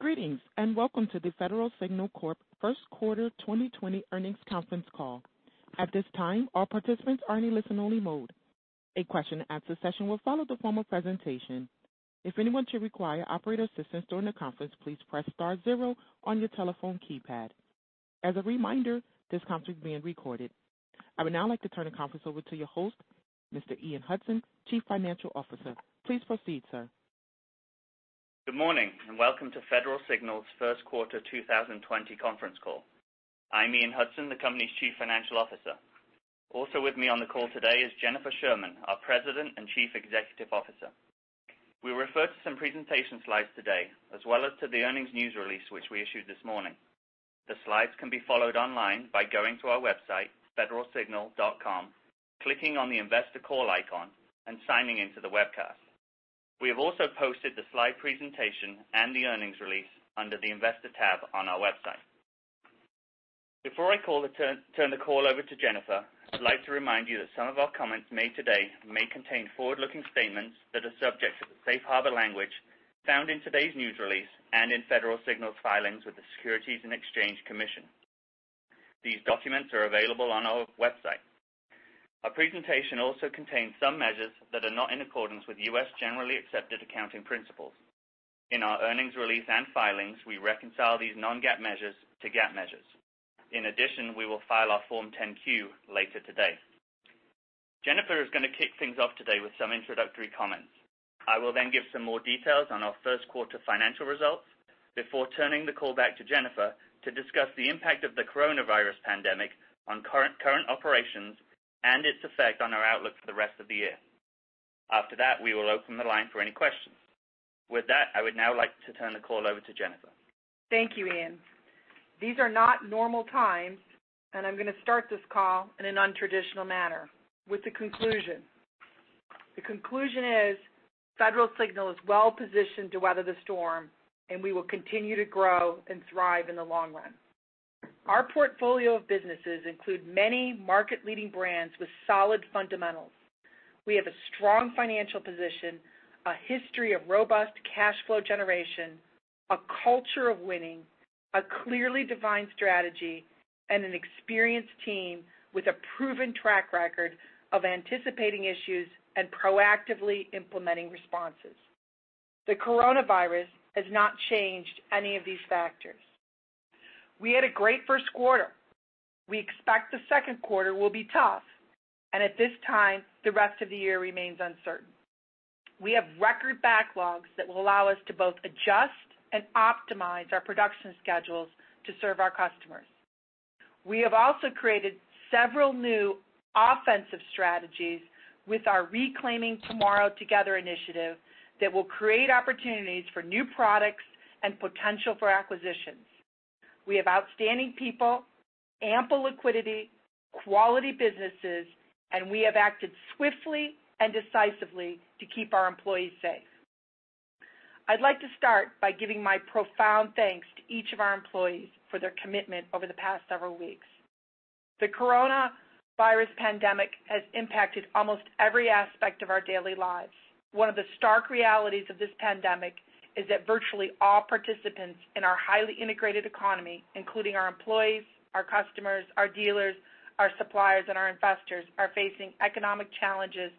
Greetings, welcome to the Federal Signal Corp First Quarter 2020 Earnings Conference Call. At this time, all participants are in a listen-only mode. A question-and-answer session will follow the formal presentation. If anyone should require operator assistance during the conference, please press star 0 on your telephone keypad. As a reminder, this conference is being recorded. I would now like to turn the conference over to your host, Mr. Ian Hudson, Chief Financial Officer. Please proceed, sir. Good morning, and welcome to Federal Signal's first quarter 2020 conference call. I'm Ian Hudson, the company's Chief Financial Officer. Also with me on the call today is Jennifer Sherman, our President and Chief Executive Officer. We refer to some presentation slides today as well as to the earnings news release, which we issued this morning. The slides can be followed online by going to our website, federalsignal.com, clicking on the investor call icon, and signing into the webcast. We have also posted the slide presentation and the earnings release under the investor tab on our website. Before I turn the call over to Jennifer, I'd like to remind you that some of our comments made today may contain forward-looking statements that are subject to the safe harbor language found in today's news release and in Federal Signal's filings with the Securities and Exchange Commission. These documents are available on our website. Our presentation also contains some measures that are not in accordance with U.S. Generally Accepted Accounting Principles. In our earnings release and filings, we reconcile these non-GAAP measures to GAAP measures. In addition, we will file our Form 10-Q later today. Jennifer is going to kick things off today with some introductory comments. I will then give some more details on our first quarter financial results before turning the call back to Jennifer to discuss the impact of the COVID-19 pandemic on current operations and its effect on our outlook for the rest of the year. After that, we will open the line for any questions. With that, I would now like to turn the call over to Jennifer. Thank you, Ian. These are not normal times. I'm going to start this call in an untraditional manner, with the conclusion. The conclusion is Federal Signal is well-positioned to weather the storm, and we will continue to grow and thrive in the long run. Our portfolio of businesses include many market-leading brands with solid fundamentals. We have a strong financial position, a history of robust cash flow generation, a culture of winning, a clearly defined strategy, and an experienced team with a proven track record of anticipating issues and proactively implementing responses. The coronavirus has not changed any of these factors. We had a great first quarter. We expect the second quarter will be tough, and at this time, the rest of the year remains uncertain. We have record backlogs that will allow us to both adjust and optimize our production schedules to serve our customers. We have also created several new offensive strategies with our Reclaiming Tomorrow, Together initiative that will create opportunities for new products and potential for acquisitions. We have outstanding people, ample liquidity, quality businesses, and we have acted swiftly and decisively to keep our employees safe. I'd like to start by giving my profound thanks to each of our employees for their commitment over the past several weeks. The coronavirus pandemic has impacted almost every aspect of our daily lives. One of the stark realities of this pandemic is that virtually all participants in our highly integrated economy, including our employees, our customers, our dealers, our suppliers, and our investors, are facing economic challenges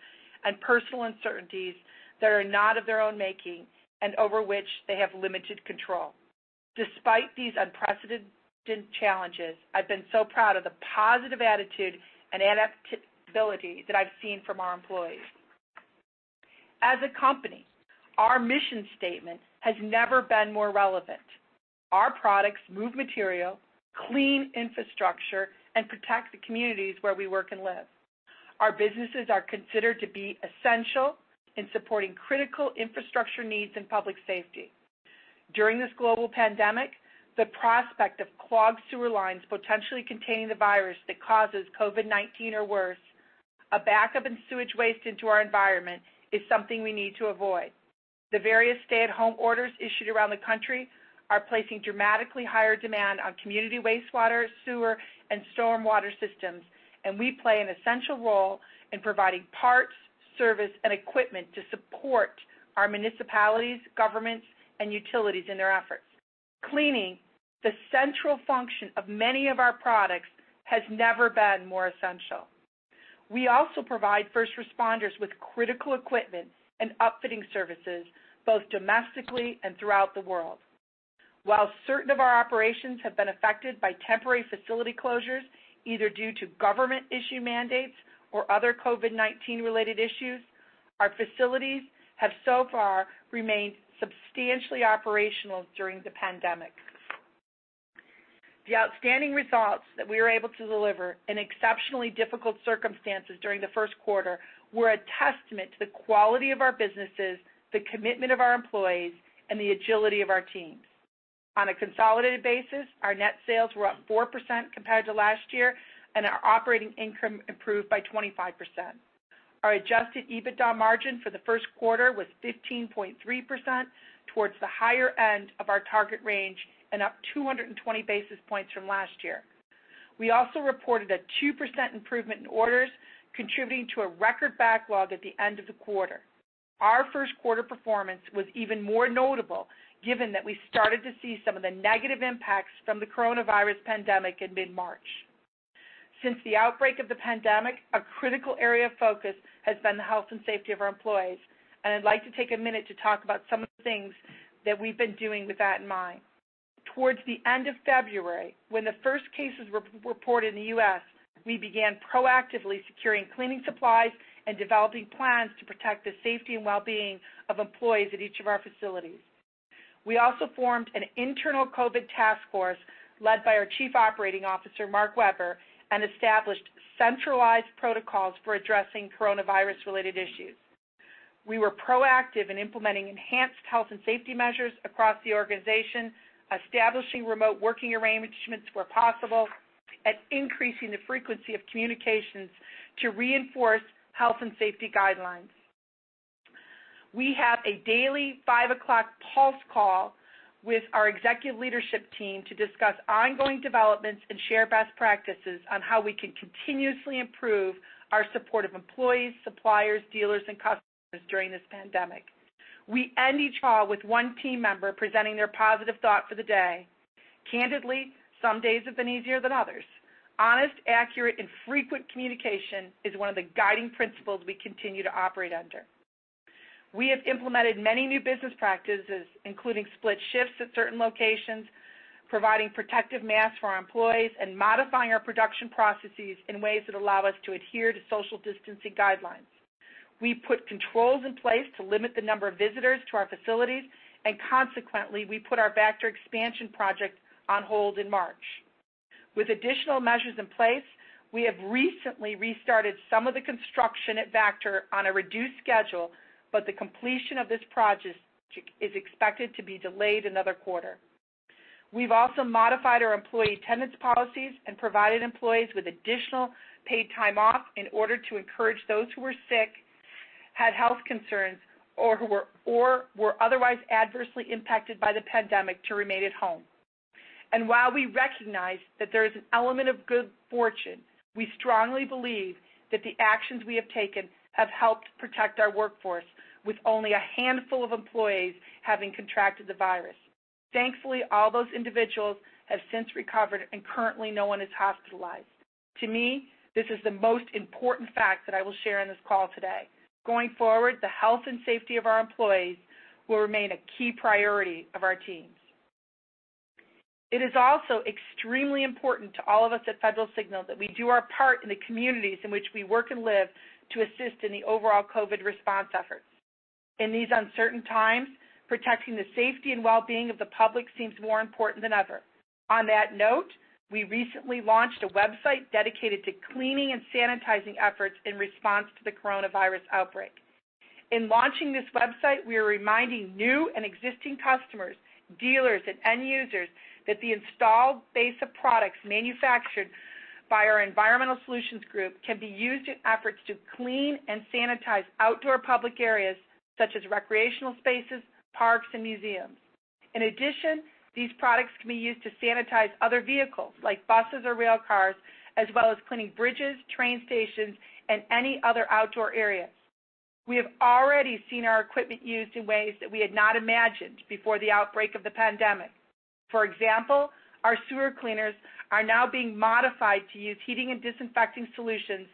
and personal uncertainties that are not of their own making and over which they have limited control. Despite these unprecedented challenges, I've been so proud of the positive attitude and adaptability that I've seen from our employees. As a company, our mission statement has never been more relevant. Our products move material, clean infrastructure, and protect the communities where we work and live. Our businesses are considered to be essential in supporting critical infrastructure needs and public safety. During this global pandemic, the prospect of clogged sewer lines potentially containing the virus that causes COVID-19 or worse, a backup in sewage waste into our environment, is something we need to avoid. The various stay-at-home orders issued around the country are placing dramatically higher demand on community wastewater, sewer, and storm water systems, and we play an essential role in providing parts, service, and equipment to support our municipalities, governments, and utilities in their efforts. Cleaning the central function of many of our products has never been more essential. We also provide first responders with critical equipment and upfitting services both domestically and throughout the world. While certain of our operations have been affected by temporary facility closures, either due to government issue mandates or other COVID-19 related issues, our facilities have so far remained substantially operational during the pandemic. The outstanding results that we were able to deliver in exceptionally difficult circumstances during the first quarter were a testament to the quality of our businesses, the commitment of our employees, and the agility of our teams. On a consolidated basis, our net sales were up 4% compared to last year, and our operating income improved by 25%. Our adjusted EBITDA margin for the first quarter was 15.3% towards the higher end of our target range and up 220 basis points from last year. We also reported a 2% improvement in orders, contributing to a record backlog at the end of the quarter. Our first quarter performance was even more notable, given that we started to see some of the negative impacts from the coronavirus pandemic in mid-March. Since the outbreak of the pandemic, a critical area of focus has been the health and safety of our employees, and I'd like to take a minute to talk about some of the things that we've been doing with that in mind. Towards the end of February, when the first cases were reported in the U.S., we began proactively securing cleaning supplies and developing plans to protect the safety and well-being of employees at each of our facilities. We also formed an internal COVID task force led by our Chief Operating Officer, Mark Weber, and established centralized protocols for addressing coronavirus-related issues. We were proactive in implementing enhanced health and safety measures across the organization, establishing remote working arrangements where possible, and increasing the frequency of communications to reinforce health and safety guidelines. We have a daily five o'clock pulse call with our executive leadership team to discuss ongoing developments and share best practices on how we can continuously improve our support of employees, suppliers, dealers, and customers during this pandemic. We end each call with one team member presenting their positive thought for the day. Candidly, some days have been easier than others. Honest, accurate, and frequent communication is one of the guiding principles we continue to operate under. We have implemented many new business practices including split shifts at certain locations, providing protective masks for our employees, and modifying our production processes in ways that allow us to adhere to social distancing guidelines. We put controls in place to limit the number of visitors to our facilities. Consequently, we put our Vactor expansion project on hold in March. With additional measures in place, we have recently restarted some of the construction at Vactor on a reduced schedule, the completion of this project is expected to be delayed another quarter. We've also modified our employee attendance policies and provided employees with additional paid time off in order to encourage those who were sick, had health concerns, or who were otherwise adversely impacted by the pandemic to remain at home. While we recognize that there is an element of good fortune, we strongly believe that the actions we have taken have helped protect our workforce, with only a handful of employees having contracted the virus. Thankfully, all those individuals have since recovered and currently no one is hospitalized. To me, this is the most important fact that I will share on this call today. Going forward, the health and safety of our employees will remain a key priority of our teams. It is also extremely important to all of us at Federal Signal that we do our part in the communities in which we work and live to assist in the overall COVID response efforts. In these uncertain times, protecting the safety and well-being of the public seems more important than ever. On that note, we recently launched a website dedicated to cleaning and sanitizing efforts in response to the coronavirus outbreak. In launching this website, we are reminding new and existing customers, dealers, and end users that the installed base of products manufactured by our Environmental Solutions Group can be used in efforts to clean and sanitize outdoor public areas such as recreational spaces, parks, and museums. In addition, these products can be used to sanitize other vehicles like buses or rail cars, as well as cleaning bridges, train stations, and any other outdoor areas. We have already seen our equipment used in ways that we had not imagined before the outbreak of the pandemic. For example, our sewer cleaners are now being modified to use heating and disinfecting solutions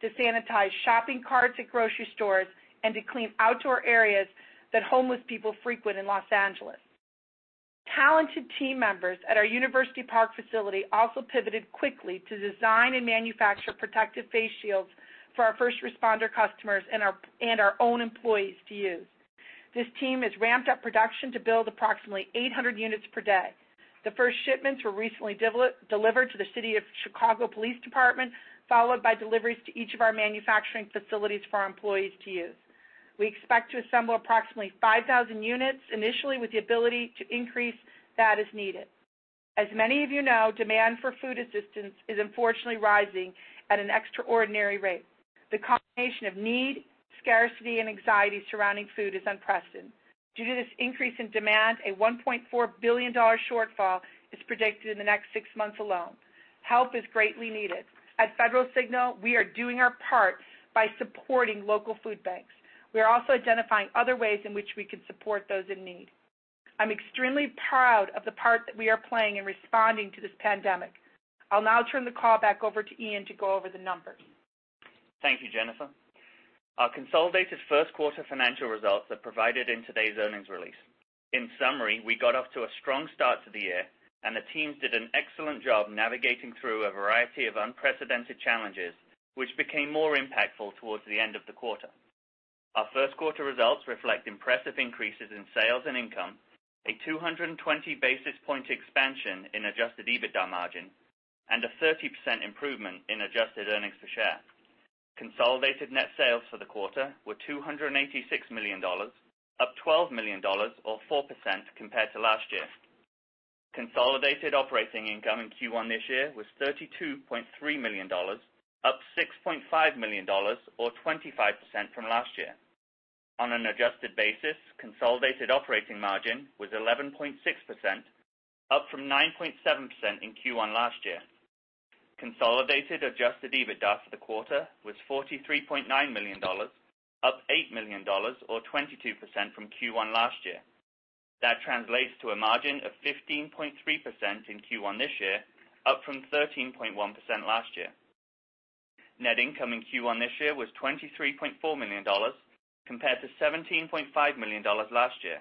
to sanitize shopping carts at grocery stores and to clean outdoor areas that homeless people frequent in Los Angeles. Talented team members at our University Park facility also pivoted quickly to design and manufacture protective face shields for our first responder customers and our own employees to use. This team has ramped up production to build approximately 800 units per day. The first shipments were recently delivered to the Chicago Police Department, followed by deliveries to each of our manufacturing facilities for our employees to use. We expect to assemble approximately 5,000 units initially, with the ability to increase that as needed. As many of you know, demand for food assistance is unfortunately rising at an extraordinary rate. The combination of need, scarcity, and anxiety surrounding food is unprecedented. Due to this increase in demand, a $1.4 billion shortfall is predicted in the next six months alone. Help is greatly needed. At Federal Signal, we are doing our part by supporting local food banks. We are also identifying other ways in which we can support those in need. I'm extremely proud of the part that we are playing in responding to this pandemic. I'll now turn the call back over to Ian to go over the numbers. Thank you, Jennifer. Our consolidated first quarter financial results are provided in today's earnings release. In summary, we got off to a strong start to the year, and the teams did an excellent job navigating through a variety of unprecedented challenges, which became more impactful towards the end of the quarter. Our first quarter results reflect impressive increases in sales and income, a 220 basis point expansion in adjusted EBITDA margin, and a 30% improvement in adjusted earnings per share. Consolidated net sales for the quarter were $286 million, up $12 million or 4% compared to last year. Consolidated operating income in Q1 this year was $32.3 million, up $6.5 million or 25% from last year. On an adjusted basis, consolidated operating margin was 11.6%, up from 9.7% in Q1 last year. Consolidated adjusted EBITDA for the quarter was $43.9 million, up $8 million or 22% from Q1 last year. That translates to a margin of 15.3% in Q1 this year, up from 13.1% last year. Net income in Q1 this year was $23.4 million, compared to $17.5 million last year.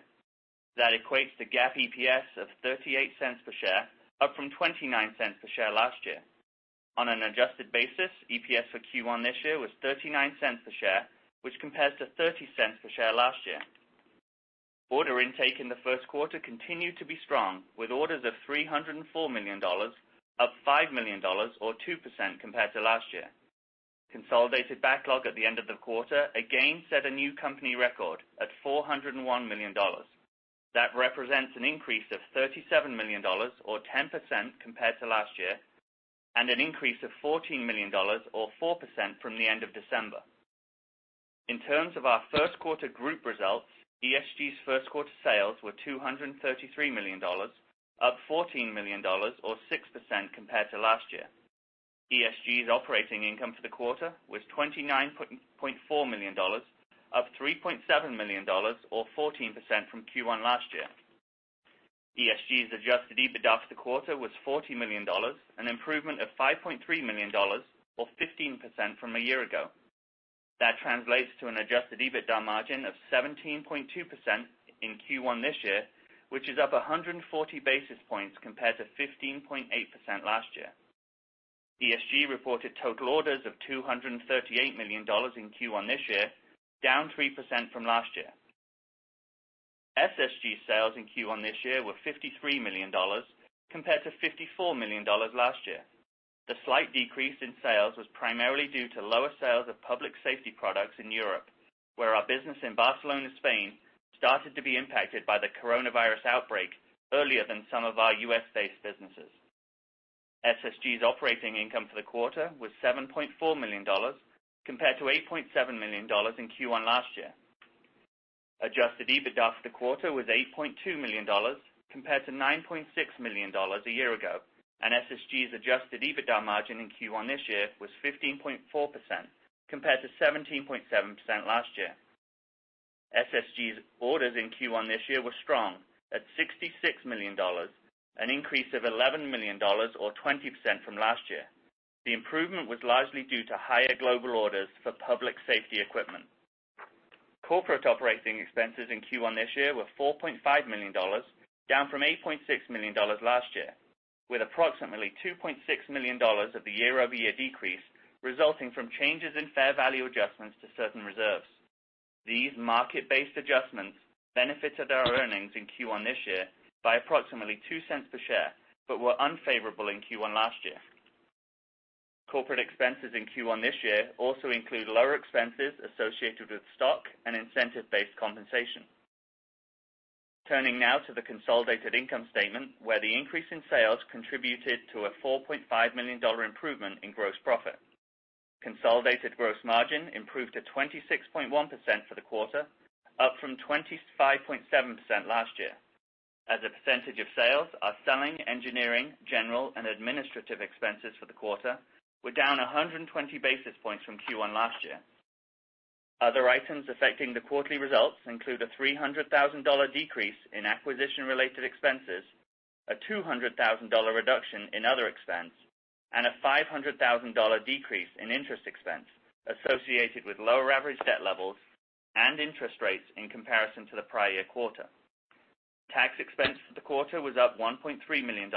That equates to GAAP EPS of $0.38 per share, up from $0.29 per share last year. On an adjusted basis, EPS for Q1 this year was $0.39 per share, which compares to $0.30 per share last year. Order intake in the first quarter continued to be strong, with orders of $304 million, up $5 million or 2% compared to last year. Consolidated backlog at the end of the quarter again set a new company record at $401 million. That represents an increase of $37 million or 10% compared to last year, and an increase of $14 million or 4% from the end of December. In terms of our first quarter group results, ESG's first quarter sales were $233 million, up $14 million or 6% compared to last year. ESG's operating income for the quarter was $29.4 million, up $3.7 million or 14% from Q1 last year. ESG's adjusted EBITDA for the quarter was $40 million, an improvement of $5.3 million or 15% from a year ago. That translates to an adjusted EBITDA margin of 17.2% in Q1 this year, which is up 140 basis points compared to 15.8% last year. ESG reported total orders of $238 million in Q1 this year, down 3% from last year. SSG sales in Q1 this year were $53 million compared to $54 million last year. The slight decrease in sales was primarily due to lower sales of public safety products in Europe, where our business in Barcelona, Spain, started to be impacted by the coronavirus outbreak earlier than some of our U.S.-based businesses. SSG's operating income for the quarter was $7.4 million compared to $8.7 million in Q1 last year. Adjusted EBITDA for the quarter was $8.2 million compared to $9.6 million a year ago, and SSG's Adjusted EBITDA margin in Q1 this year was 15.4% compared to 17.7% last year. SSG's orders in Q1 this year were strong at $66 million, an increase of $11 million or 20% from last year. The improvement was largely due to higher global orders for public safety equipment. Corporate operating expenses in Q1 this year were $4.5 million, down from $8.6 million last year, with approximately $2.6 million of the year-over-year decrease resulting from changes in fair value adjustments to certain reserves. These market-based adjustments benefited our earnings in Q1 this year by approximately $0.02 per share, but were unfavorable in Q1 last year. Corporate expenses in Q1 this year also include lower expenses associated with stock and incentive-based compensation. Turning now to the consolidated income statement, where the increase in sales contributed to a $4.5 million improvement in gross profit. Consolidated gross margin improved to 26.1% for the quarter, up from 25.7% last year. As a percentage of sales, our selling, engineering, general, and administrative expenses for the quarter were down 120 basis points from Q1 last year. Other items affecting the quarterly results include a $300,000 decrease in acquisition-related expenses, a $200,000 reduction in other expense, and a $500,000 decrease in interest expense associated with lower average debt levels and interest rates in comparison to the prior year quarter. Tax expense for the quarter was up $1.3 million,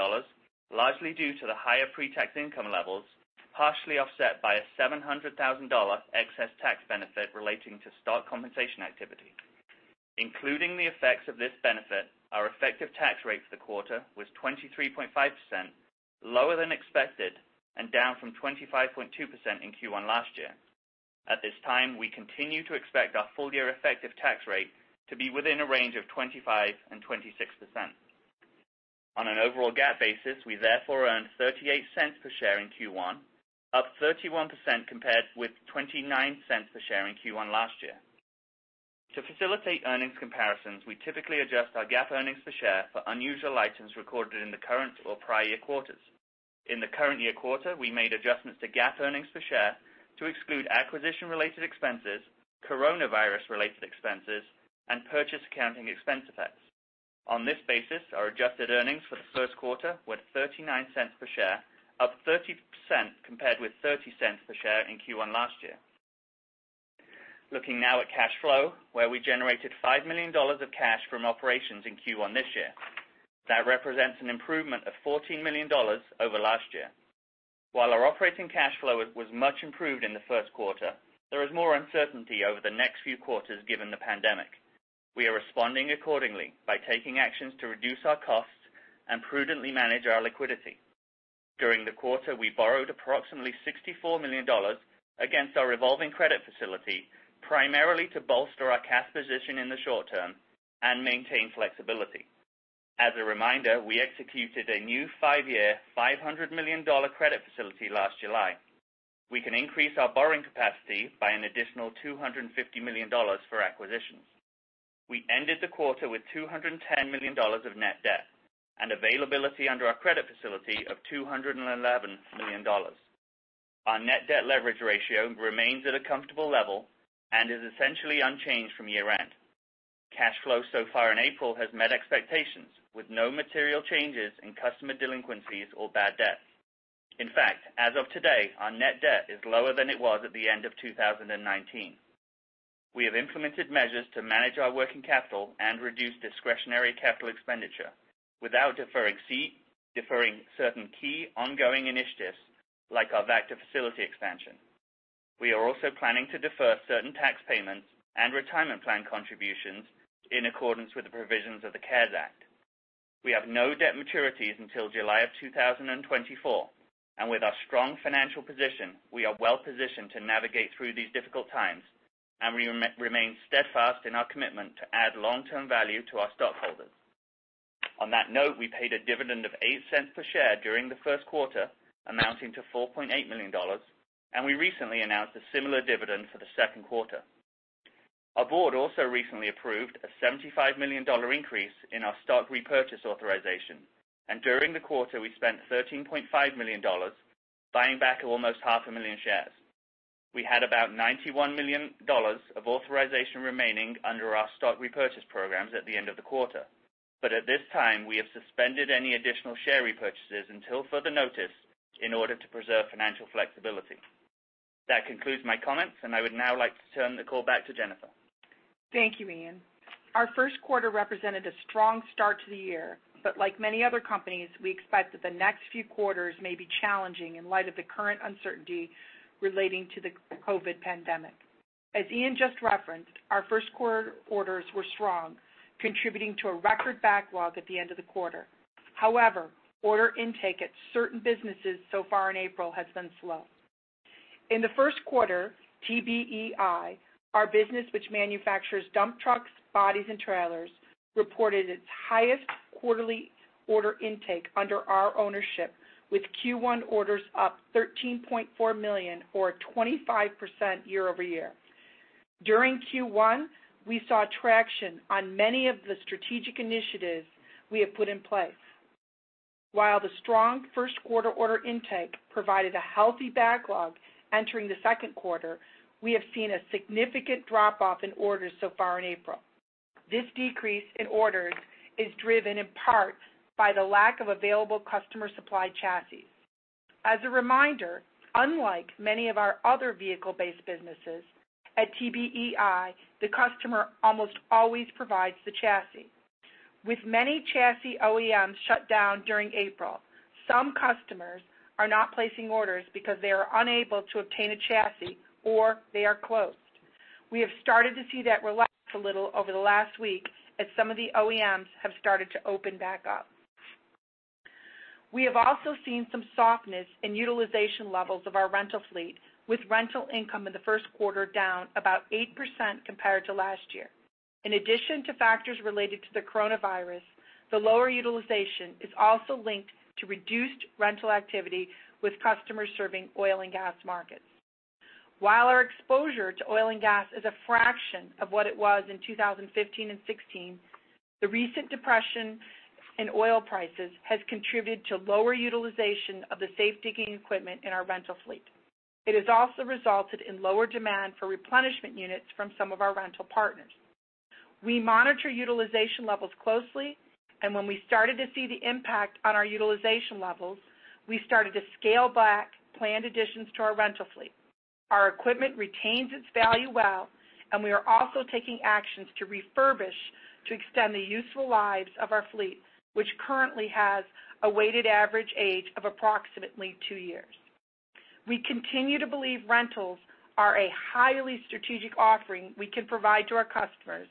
largely due to the higher pre-tax income levels, partially offset by a $700,000 excess tax benefit relating to stock compensation activity. Including the effects of this benefit, our effective tax rate for the quarter was 23.5%, lower than expected and down from 25.2% in Q1 last year. At this time, we continue to expect our full year effective tax rate to be within a range of 25% and 26%. On an overall GAAP basis, we therefore earned $0.38 per share in Q1, up 31% compared with $0.29 per share in Q1 last year. To facilitate earnings comparisons, we typically adjust our GAAP earnings per share for unusual items recorded in the current or prior year quarters. In the current year quarter, we made adjustments to GAAP earnings per share to exclude acquisition-related expenses, COVID-19-related expenses, and purchase accounting expense effects. On this basis, our adjusted earnings for the first quarter were $0.39 per share, up 30% compared with $0.30 per share in Q1 last year. Looking now at cash flow, where we generated $5 million of cash from operations in Q1 this year. That represents an improvement of $14 million over last year. While our operating cash flow was much improved in the first quarter, there is more uncertainty over the next few quarters given the pandemic. We are responding accordingly by taking actions to reduce our costs and prudently manage our liquidity. During the quarter, we borrowed approximately $64 million against our revolving credit facility, primarily to bolster our cash position in the short term and maintain flexibility. As a reminder, we executed a new five-year, $500 million credit facility last July. We can increase our borrowing capacity by an additional $250 million for acquisitions. We ended the quarter with $210 million of net debt and availability under our credit facility of $211 million. Our net debt leverage ratio remains at a comfortable level and is essentially unchanged from year-end. Cash flow so far in April has met expectations, with no material changes in customer delinquencies or bad debt. In fact, as of today, our net debt is lower than it was at the end of 2019. We have implemented measures to manage our working capital and reduce discretionary capital expenditure without deferring certain key ongoing initiatives like our Vactor facility expansion. We are also planning to defer certain tax payments and retirement plan contributions in accordance with the provisions of the CARES Act. We have no debt maturities until July of 2024, and with our strong financial position, we are well-positioned to navigate through these difficult times, and we remain steadfast in our commitment to add long-term value to our stockholders. On that note, we paid a dividend of $0.08 per share during the first quarter, amounting to $4.8 million, and we recently announced a similar dividend for the second quarter. Our board also recently approved a $75 million increase in our stock repurchase authorization, and during the quarter, we spent $13.5 million buying back almost 500,000 shares. We had about $91 million of authorization remaining under our stock repurchase programs at the end of the quarter. At this time, we have suspended any additional share repurchases until further notice in order to preserve financial flexibility. That concludes my comments, and I would now like to turn the call back to Jennifer. Thank you, Ian. Our first quarter represented a strong start to the year, but like many other companies, we expect that the next few quarters may be challenging in light of the current uncertainty relating to the COVID pandemic. As Ian just referenced, our first quarter orders were strong, contributing to a record backlog at the end of the quarter. However, order intake at certain businesses so far in April has been slow. In the first quarter, TBEI, our business which manufactures dump trucks, bodies, and trailers, reported its highest quarterly order intake under our ownership with Q1 orders up $13.4 million or 25% year-over-year. During Q1, we saw traction on many of the strategic initiatives we have put in place. While the strong first quarter order intake provided a healthy backlog entering the second quarter, we have seen a significant drop-off in orders so far in April. This decrease in orders is driven in part by the lack of available customer supply chassis. As a reminder, unlike many of our other vehicle-based businesses, at TBEI, the customer almost always provides the chassis. With many chassis OEMs shut down during April, some customers are not placing orders because they are unable to obtain a chassis or they are closed. We have started to see that relax a little over the last week as some of the OEMs have started to open back up. We have also seen some softness in utilization levels of our rental fleet, with rental income in the first quarter down about 8% compared to last year. In addition to factors related to the coronavirus, the lower utilization is also linked to reduced rental activity with customers serving oil and gas markets. While our exposure to oil and gas is a fraction of what it was in 2015 and 2016, the recent depression in oil prices has contributed to lower utilization of the safe digging equipment in our rental fleet. It has also resulted in lower demand for replenishment units from some of our rental partners. We monitor utilization levels closely, and when we started to see the impact on our utilization levels, we started to scale back planned additions to our rental fleet. Our equipment retains its value well, and we are also taking actions to refurbish to extend the useful lives of our fleet, which currently has a weighted average age of approximately two years. We continue to believe rentals are a highly strategic offering we can provide to our customers.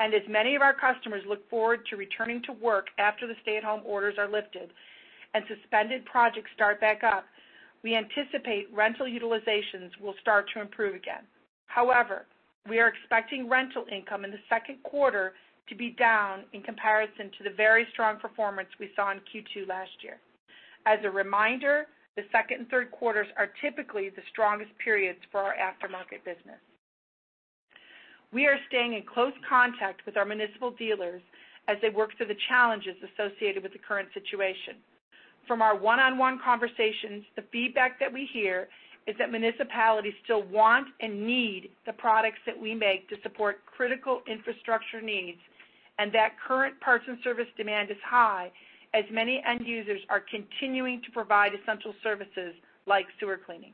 As many of our customers look forward to returning to work after the stay-at-home orders are lifted and suspended projects start back up, we anticipate rental utilizations will start to improve again. However, we are expecting rental income in the second quarter to be down in comparison to the very strong performance we saw in Q2 last year. As a reminder, the second and third quarters are typically the strongest periods for our aftermarket business. We are staying in close contact with our municipal dealers as they work through the challenges associated with the current situation. From our one-on-one conversations, the feedback that we hear is that municipalities still want and need the products that we make to support critical infrastructure needs and that current parts and service demand is high as many end users are continuing to provide essential services like sewer cleaning.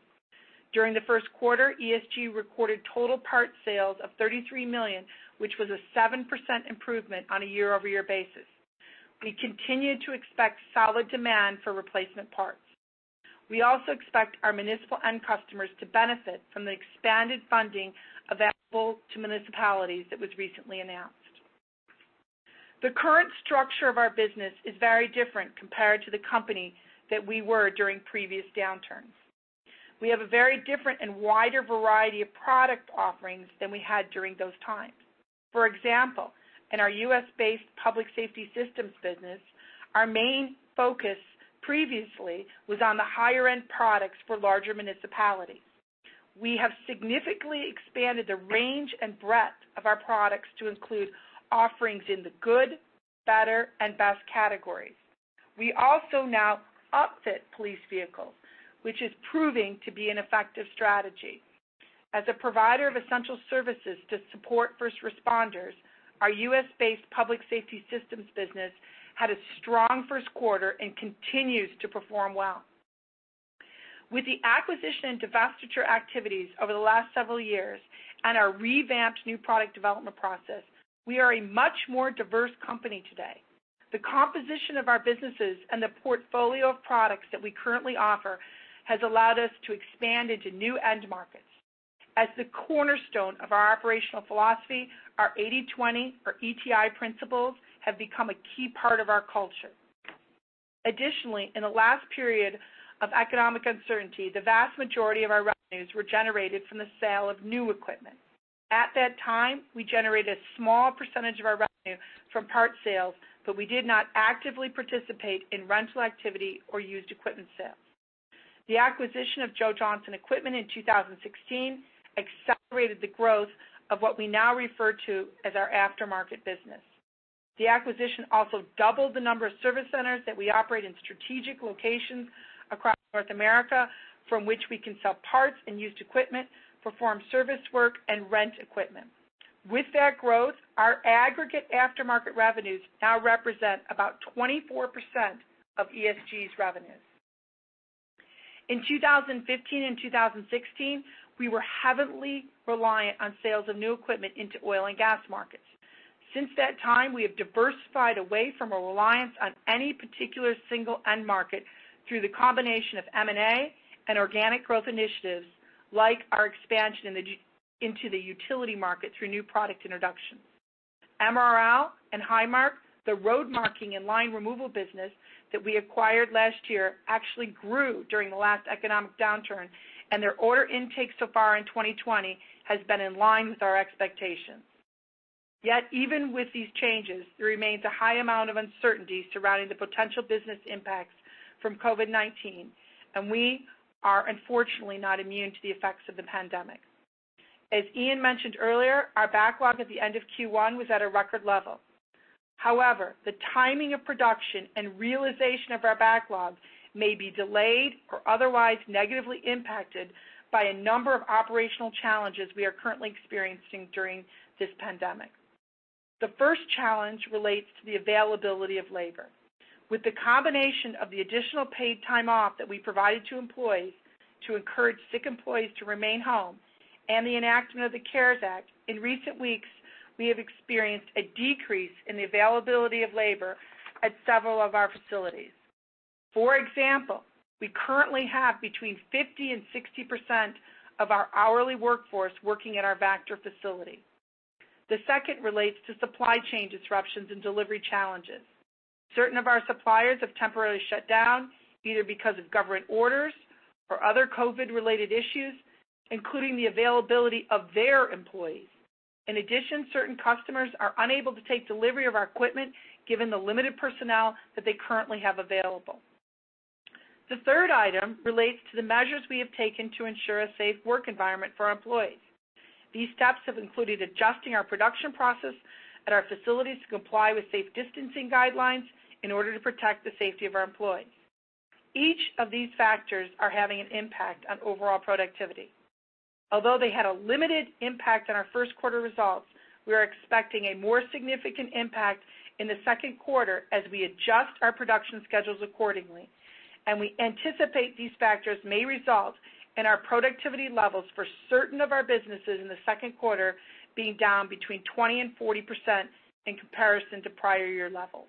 During the first quarter, ESG recorded total parts sales of $33 million, which was a 7% improvement on a year-over-year basis. We continue to expect solid demand for replacement parts. We also expect our municipal end customers to benefit from the expanded funding available to municipalities that was recently announced. The current structure of our business is very different compared to the company that we were during previous downturns. We have a very different and wider variety of product offerings than we had during those times. For example, in our U.S.-based public safety systems business, our main focus previously was on the higher-end products for larger municipalities. We have significantly expanded the range and breadth of our products to include offerings in the good, better, and best categories. We also now upfit police vehicles, which is proving to be an effective strategy. As a provider of essential services to support first responders, our U.S.-based public safety systems business had a strong first quarter and continues to perform well. With the acquisition and divestiture activities over the last several years and our revamped new product development process, we are a much more diverse company today. The composition of our businesses and the portfolio of products that we currently offer has allowed us to expand into new end markets. As the cornerstone of our operational philosophy, our 80/20 or ETI principles have become a key part of our culture. Additionally, in the last period of economic uncertainty, the vast majority of our revenues were generated from the sale of new equipment. At that time, we generated a small percentage of our revenue from parts sales, but we did not actively participate in rental activity or used equipment sales. The acquisition of Joe Johnson Equipment in 2016 accelerated the growth of what we now refer to as our aftermarket business. The acquisition also doubled the number of service centers that we operate in strategic locations across North America, from which we can sell parts and used equipment, perform service work, and rent equipment. With that growth, our aggregate aftermarket revenues now represent about 24% of ESG's revenues. In 2015 and 2016, we were heavily reliant on sales of new equipment into oil and gas markets. Since that time, we have diversified away from a reliance on any particular single end market through the combination of M&A and organic growth initiatives like our expansion into the utility market through new product introductions. MRL and HighMark, the road marking and line removal business that we acquired last year, actually grew during the last economic downturn, and their order intake so far in 2020 has been in line with our expectations. Yet even with these changes, there remains a high amount of uncertainty surrounding the potential business impacts from COVID-19, and we are unfortunately not immune to the effects of the pandemic. As Ian mentioned earlier, our backlog at the end of Q1 was at a record level. However, the timing of production and realization of our backlog may be delayed or otherwise negatively impacted by a number of operational challenges we are currently experiencing during this pandemic. The first challenge relates to the availability of labor. With the combination of the additional paid time off that we provided to employees to encourage sick employees to remain home and the enactment of the CARES Act, in recent weeks, we have experienced a decrease in the availability of labor at several of our facilities. For example, we currently have between 50% and 60% of our hourly workforce working at our Vactor facility. The second relates to supply chain disruptions and delivery challenges. Certain of our suppliers have temporarily shut down, either because of government orders or other COVID-related issues, including the availability of their employees. In addition, certain customers are unable to take delivery of our equipment given the limited personnel that they currently have available. The third item relates to the measures we have taken to ensure a safe work environment for our employees. These steps have included adjusting our production process at our facilities to comply with safe distancing guidelines in order to protect the safety of our employees. Each of these factors are having an impact on overall productivity. Although they had a limited impact on our first quarter results, we are expecting a more significant impact in the second quarter as we adjust our production schedules accordingly, and we anticipate these factors may result in our productivity levels for certain of our businesses in the second quarter being down between 20%-40% in comparison to prior year levels.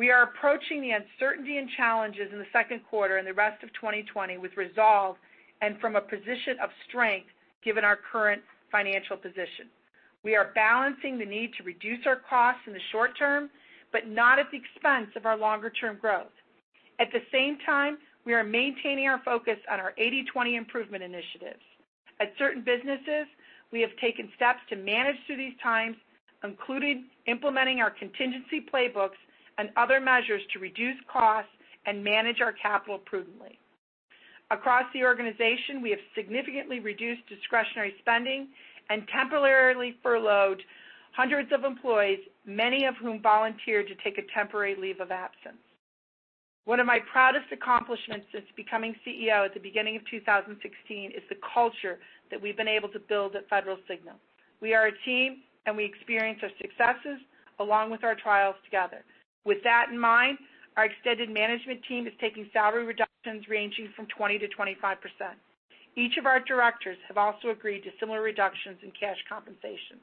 We are approaching the uncertainty and challenges in the second quarter and the rest of 2020 with resolve and from a position of strength, given our current financial position. We are balancing the need to reduce our costs in the short term, but not at the expense of our longer-term growth. At the same time, we are maintaining our focus on our 80/20 improvement initiatives. At certain businesses, we have taken steps to manage through these times, including implementing our contingency playbooks and other measures to reduce costs and manage our capital prudently. Across the organization, we have significantly reduced discretionary spending and temporarily furloughed hundreds of employees, many of whom volunteered to take a temporary leave of absence. One of my proudest accomplishments since becoming CEO at the beginning of 2016 is the culture that we've been able to build at Federal Signal. We are a team, and we experience our successes along with our trials together. With that in mind, our extended management team is taking salary reductions ranging from 20%-25%. Each of our directors have also agreed to similar reductions in cash compensation.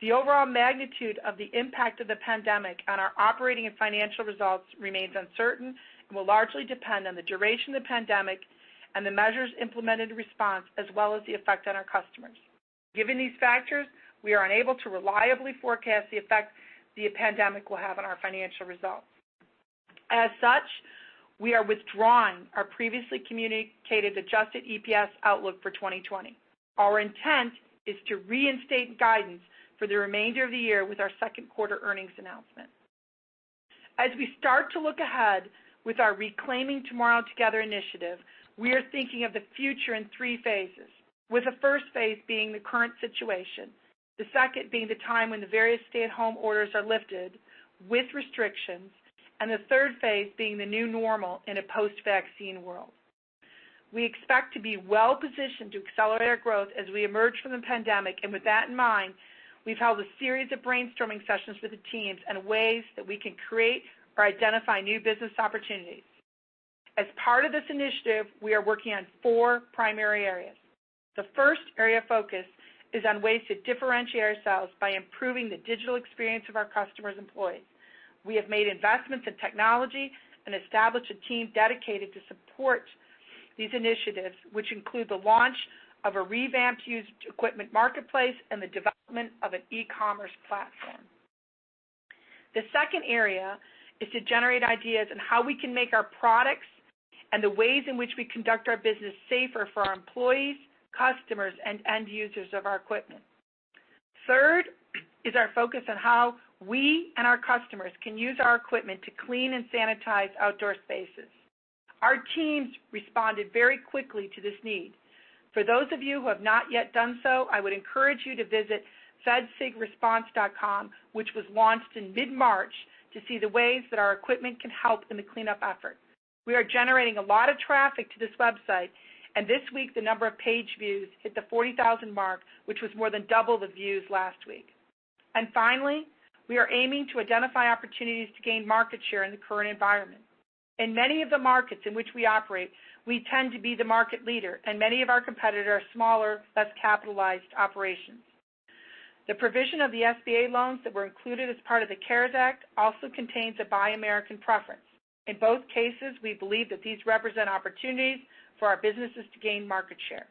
The overall magnitude of the impact of the pandemic on our operating and financial results remains uncertain and will largely depend on the duration of the pandemic and the measures implemented in response, as well as the effect on our customers. Given these factors, we are unable to reliably forecast the effect the pandemic will have on our financial results. As such, we are withdrawing our previously communicated adjusted EPS outlook for 2020. Our intent is to reinstate guidance for the remainder of the year with our second quarter earnings announcement. As we start to look ahead with our Reclaiming Tomorrow, Together initiative, we are thinking of the future in three phases, with the first phase being the current situation, the second being the time when the various stay-at-home orders are lifted with restrictions, and the third phase being the new normal in a post-vaccine world. We expect to be well-positioned to accelerate our growth as we emerge from the pandemic. With that in mind, we've held a series of brainstorming sessions with the teams on ways that we can create or identify new business opportunities. As part of this initiative, we are working on four primary areas. The first area of focus is on ways to differentiate ourselves by improving the digital experience of our customers' employees. We have made investments in technology and established a team dedicated to support these initiatives, which include the launch of a revamped used equipment marketplace and the development of an e-commerce platform. The second area is to generate ideas on how we can make our products and the ways in which we conduct our business safer for our employees, customers, and end users of our equipment. Third is our focus on how we and our customers can use our equipment to clean and sanitize outdoor spaces. Our teams responded very quickly to this need. For those of you who have not yet done so, I would encourage you to visit fedsigresponse.com, which was launched in mid-March, to see the ways that our equipment can help in the cleanup effort. We are generating a lot of traffic to this website. This week the number of page views hit the 40,000 mark, which was more than double the views last week. Finally, we are aiming to identify opportunities to gain market share in the current environment. In many of the markets in which we operate, we tend to be the market leader, and many of our competitors are smaller, less capitalized operations. The provision of the SBA loans that were included as part of the CARES Act also contains a Buy American preference. In both cases, we believe that these represent opportunities for our businesses to gain market share.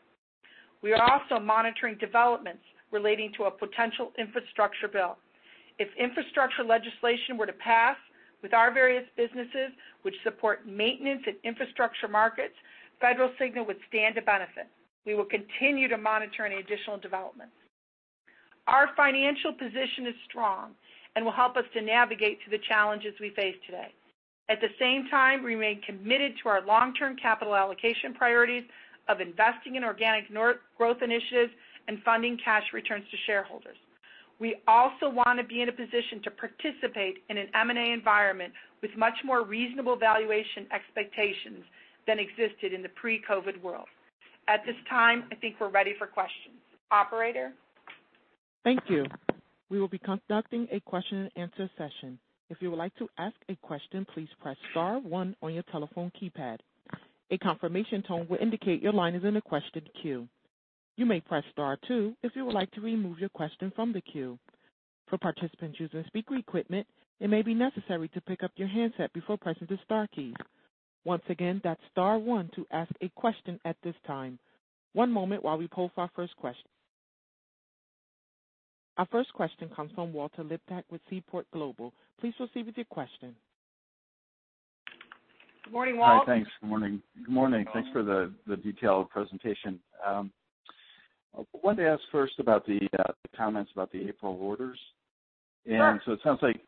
We are also monitoring developments relating to a potential infrastructure bill. If infrastructure legislation were to pass, with our various businesses which support maintenance and infrastructure markets, Federal Signal would stand to benefit. We will continue to monitor any additional developments. Our financial position is strong and will help us to navigate through the challenges we face today. At the same time, we remain committed to our long-term capital allocation priorities of investing in organic growth initiatives and funding cash returns to shareholders. We also want to be in a position to participate in an M&A environment with much more reasonable valuation expectations than existed in the pre-COVID world. At this time, I think we're ready for questions. Operator? Thank you. We will be conducting a question and answer session. If you would like to ask a question, please press star one on your telephone keypad. A confirmation tone will indicate your line is in the question queue. You may press star two if you would like to remove your question from the queue. For participants using speaker equipment, it may be necessary to pick up your handset before pressing the star keys. Once again, that's star one to ask a question at this time. One moment while we poll for our first question. Our first question comes from Walter Liptak with Seaport Global. Please proceed with your question. Good morning, Walt. Hi, thanks. Good morning. Thanks for the detailed presentation. I wanted to ask first about the comments about the April orders. Sure. It sounds like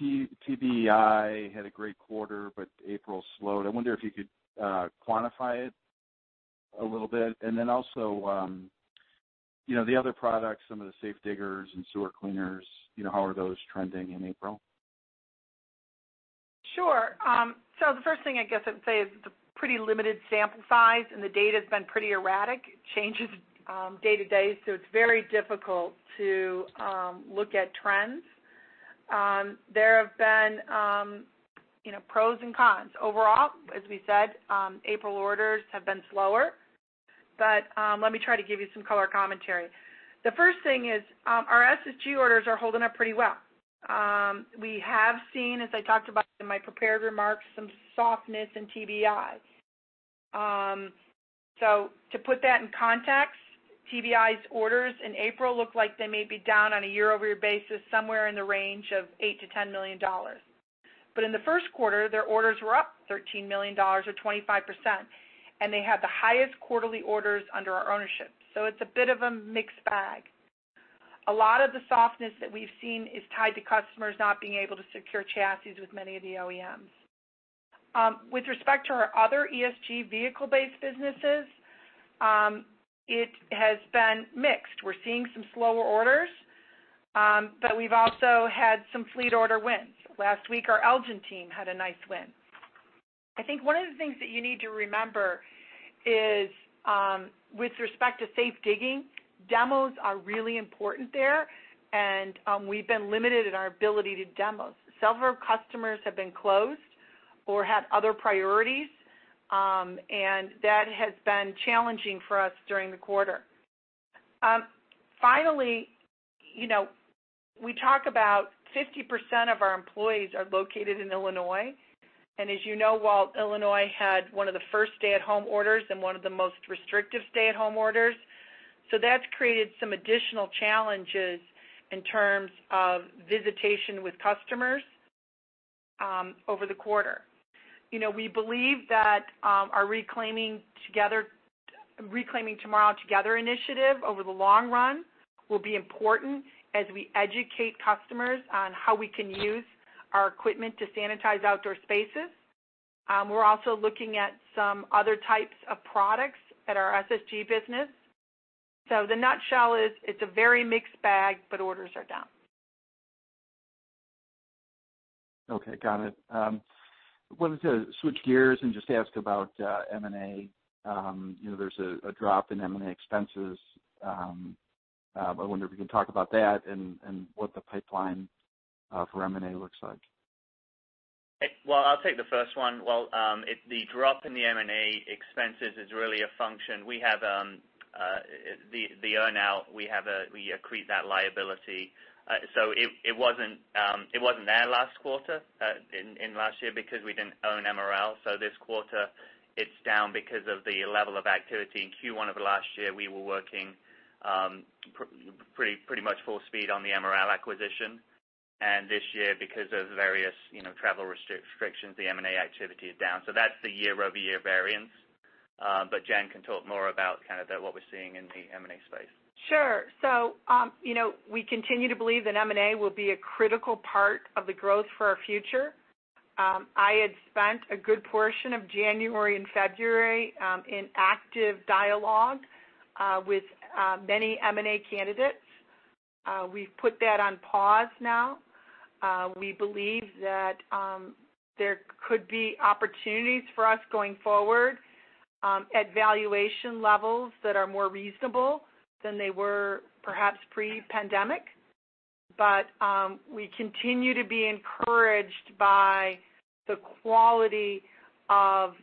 TBEI had a great quarter, but April slowed. I wonder if you could quantify it a little bit, and then also the other products, some of the safe diggers and sewer cleaners, how are those trending in April? Sure. The first thing I guess I'd say is it's a pretty limited sample size, and the data's been pretty erratic. It changes day to day, so it's very difficult to look at trends. There have been pros and cons. Overall, as we said, April orders have been slower. Let me try to give you some color commentary. The first thing is our SSG orders are holding up pretty well. We have seen, as I talked about in my prepared remarks, some softness in TBEI. To put that in context, TBEI's orders in April look like they may be down on a year-over-year basis, somewhere in the range of $8 million-$10 million. In the first quarter, their orders were up $13 million, or 25%, and they had the highest quarterly orders under our ownership. It's a bit of a mixed bag. A lot of the softness that we've seen is tied to customers not being able to secure chassis with many of the OEMs. With respect to our other ESG vehicle-based businesses, it has been mixed. We're seeing some slower orders, but we've also had some fleet order wins. Last week, our Elgin team had a nice win. I think one of the things that you need to remember is, with respect to safe digging, demos are really important there, and we've been limited in our ability to demo. Several customers have been closed or have other priorities, and that has been challenging for us during the quarter. Finally, We talk about 50% of our employees are located in Illinois. As you know, Walt, Illinois had one of the first stay-at-home orders and one of the most restrictive stay-at-home orders. That's created some additional challenges in terms of visitation with customers over the quarter. We believe that our Reclaiming Tomorrow, Together initiative over the long run will be important as we educate customers on how we can use our equipment to sanitize outdoor spaces. We're also looking at some other types of products at our SSG business. The nutshell is, it's a very mixed bag, but orders are down. Okay, got it. Wanted to switch gears and just ask about M&A. There is a drop in M&A expenses. I wonder if you can talk about that and what the pipeline for M&A looks like. I'll take the first one. The drop in the M&A expenses is really a function. We have the earn-out. We accrete that liability. It wasn't there last quarter, in last year, because we didn't own MRL. This quarter, it's down because of the level of activity. In Q1 of last year, we were working pretty much full speed on the MRL acquisition. This year, because of various travel restrictions, the M&A activity is down. That's the year-over-year variance. Jen can talk more about what we're seeing in the M&A space. Sure. We continue to believe that M&A will be a critical part of the growth for our future. I had spent a good portion of January and February in active dialogue with many M&A candidates. We've put that on pause now. We believe that there could be opportunities for us going forward at valuation levels that are more reasonable than they were perhaps pre-pandemic. We continue to be encouraged by the quality of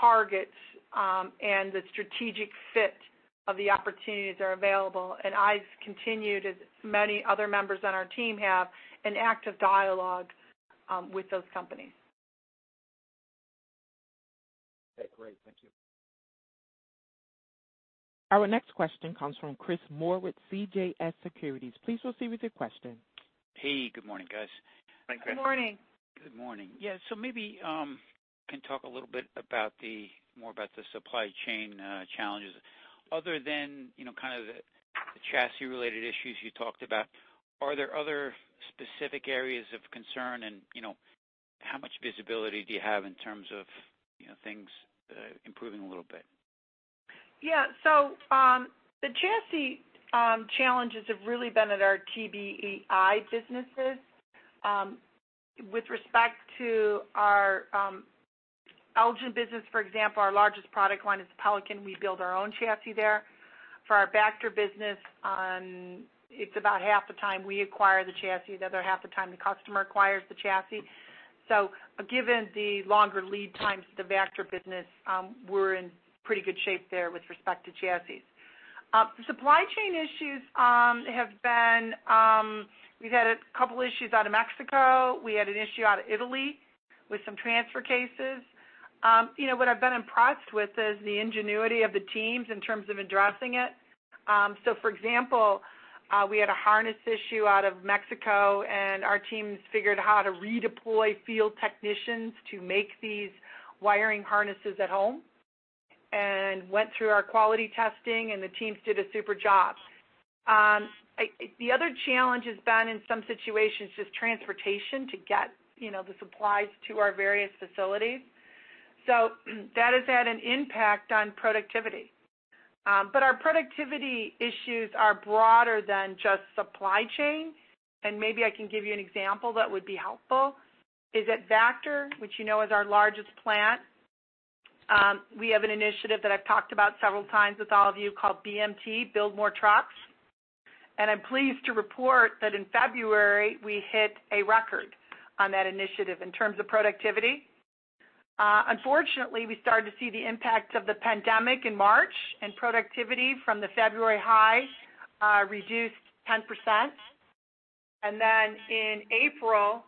targets and the strategic fit of the opportunities that are available. I've continued, as many other members on our team have, an active dialogue with those companies. Okay, great. Thank you. Our next question comes from Chris Moore with CJS Securities. Please proceed with your question. Hey, good morning, guys. Good morning. Good morning. Good morning. Yeah, maybe can talk a little bit more about the supply chain challenges. Other than kind of the chassis-related issues you talked about, are there other specific areas of concern and how much visibility do you have in terms of things improving a little bit? Yeah. The chassis challenges have really been at our TBEI businesses. With respect to our Elgin business, for example, our largest product line is Pelican. We build our own chassis there. For our Vactor business, it's about half the time we acquire the chassis, the other half the time the customer acquires the chassis. Given the longer lead times for the Vactor business, we're in pretty good shape there with respect to chassis. The supply chain issues, we've had two issues out of Mexico. We had an issue out of Italy with some transfer cases. What I've been impressed with is the ingenuity of the teams in terms of addressing it. For example, we had a harness issue out of Mexico, and our teams figured how to redeploy field technicians to make these wiring harnesses at home, and went through our quality testing, and the teams did a super job. The other challenge has been, in some situations, just transportation to get the supplies to our various facilities. That has had an impact on productivity. Our productivity issues are broader than just supply chain, and maybe I can give you an example that would be helpful, is at Vactor, which you know is our largest plant, we have an initiative that I've talked about several times with all of you called BMT, Build More Trucks. I'm pleased to report that in February, we hit a record on that initiative in terms of productivity. Unfortunately, we started to see the impact of the pandemic in March, productivity from the February high reduced 10%. In April,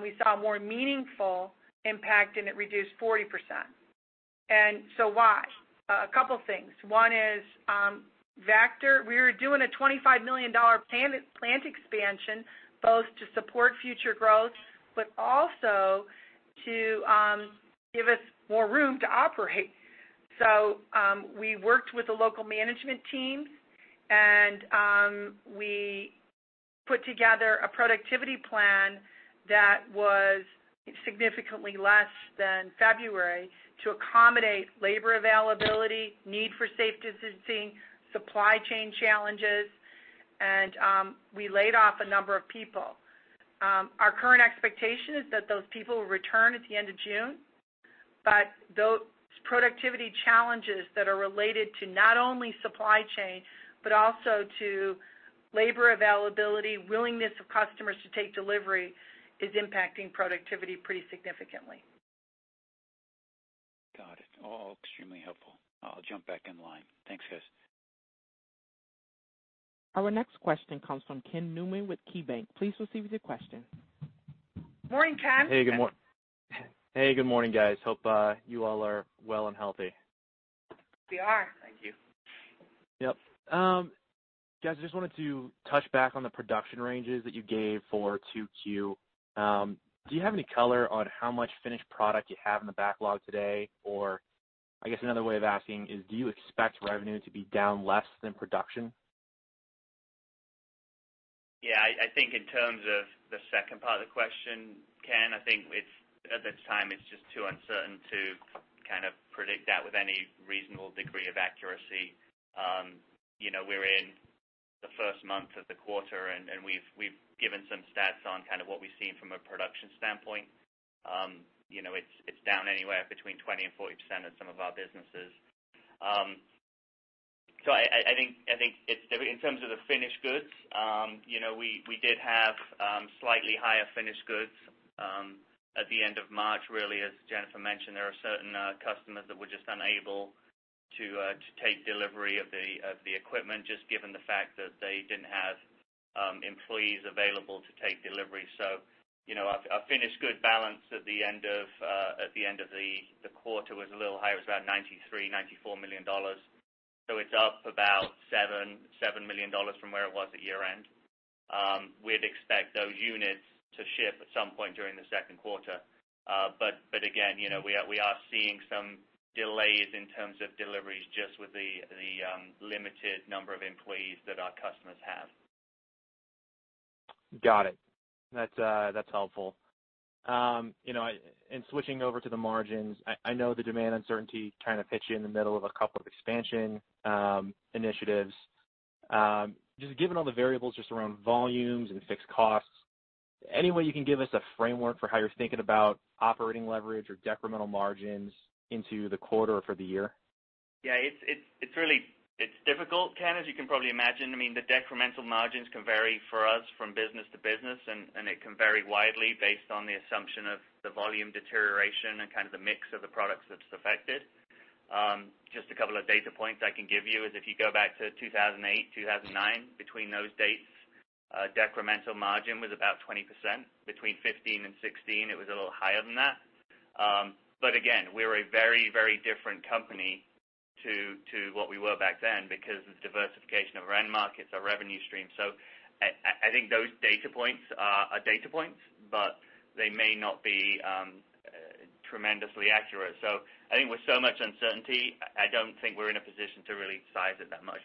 we saw a more meaningful impact, it reduced 40%. Why? A couple things. One is, Vactor, we were doing a $25 million plant expansion, both to support future growth, but also to give us more room to operate. We worked with the local management team, and we put together a productivity plan that was significantly less than February to accommodate labor availability, need for safe distancing, supply chain challenges, and we laid off a number of people. Our current expectation is that those people will return at the end of June. Those productivity challenges that are related to not only supply chain, but also to labor availability, willingness of customers to take delivery, is impacting productivity pretty significantly. All extremely helpful. I'll jump back in line. Thanks, guys. Our next question comes from Ken Newman with KeyBanc. Please proceed with your question. Morning, Ken. Hey, good morning. Hey, good morning, guys. Hope you all are well and healthy. We are. Thank you. Yep. Guys, I just wanted to touch back on the production ranges that you gave for 2Q. Do you have any color on how much finished product you have in the backlog today? I guess another way of asking is, do you expect revenue to be down less than production? Yeah. I think in terms of the second part of the question, Ken, I think at this time it's just too uncertain to kind of predict that with any reasonable degree of accuracy. We're in the first month of the quarter, and we've given some stats on kind of what we've seen from a production standpoint. It's down anywhere between 20% and 40% at some of our businesses. I think in terms of the finished goods, we did have slightly higher finished goods, at the end of March. Really, as Jennifer mentioned, there are certain customers that were just unable to take delivery of the equipment, just given the fact that they didn't have employees available to take delivery. Our finished good balance at the end of the quarter was a little higher. It was around $93, $94 million. It's up about $7 million from where it was at year-end. We'd expect those units to ship at some point during the second quarter. Again, we are seeing some delays in terms of deliveries, just with the limited number of employees that our customers have. Got it. That's helpful. Switching over to the margins, I know the demand uncertainty kind of hit you in the middle of a couple of expansion initiatives. Just given all the variables just around volumes and fixed costs, any way you can give us a framework for how you're thinking about operating leverage or decremental margins into the quarter or for the year? Yeah. It's difficult, Ken, as you can probably imagine. I mean, the decremental margins can vary for us from business to business, and it can vary widely based on the assumption of the volume deterioration and kind of the mix of the products that's affected. Just a couple of data points I can give you is if you go back to 2008, 2009, between those dates, decremental margin was about 20%. Between 2015 and 2016, it was a little higher than that. Again, we're a very different company to what we were back then because of the diversification of our end markets, our revenue stream. I think those data points are data points, but they may not be tremendously accurate. I think with so much uncertainty, I don't think we're in a position to really size it that much.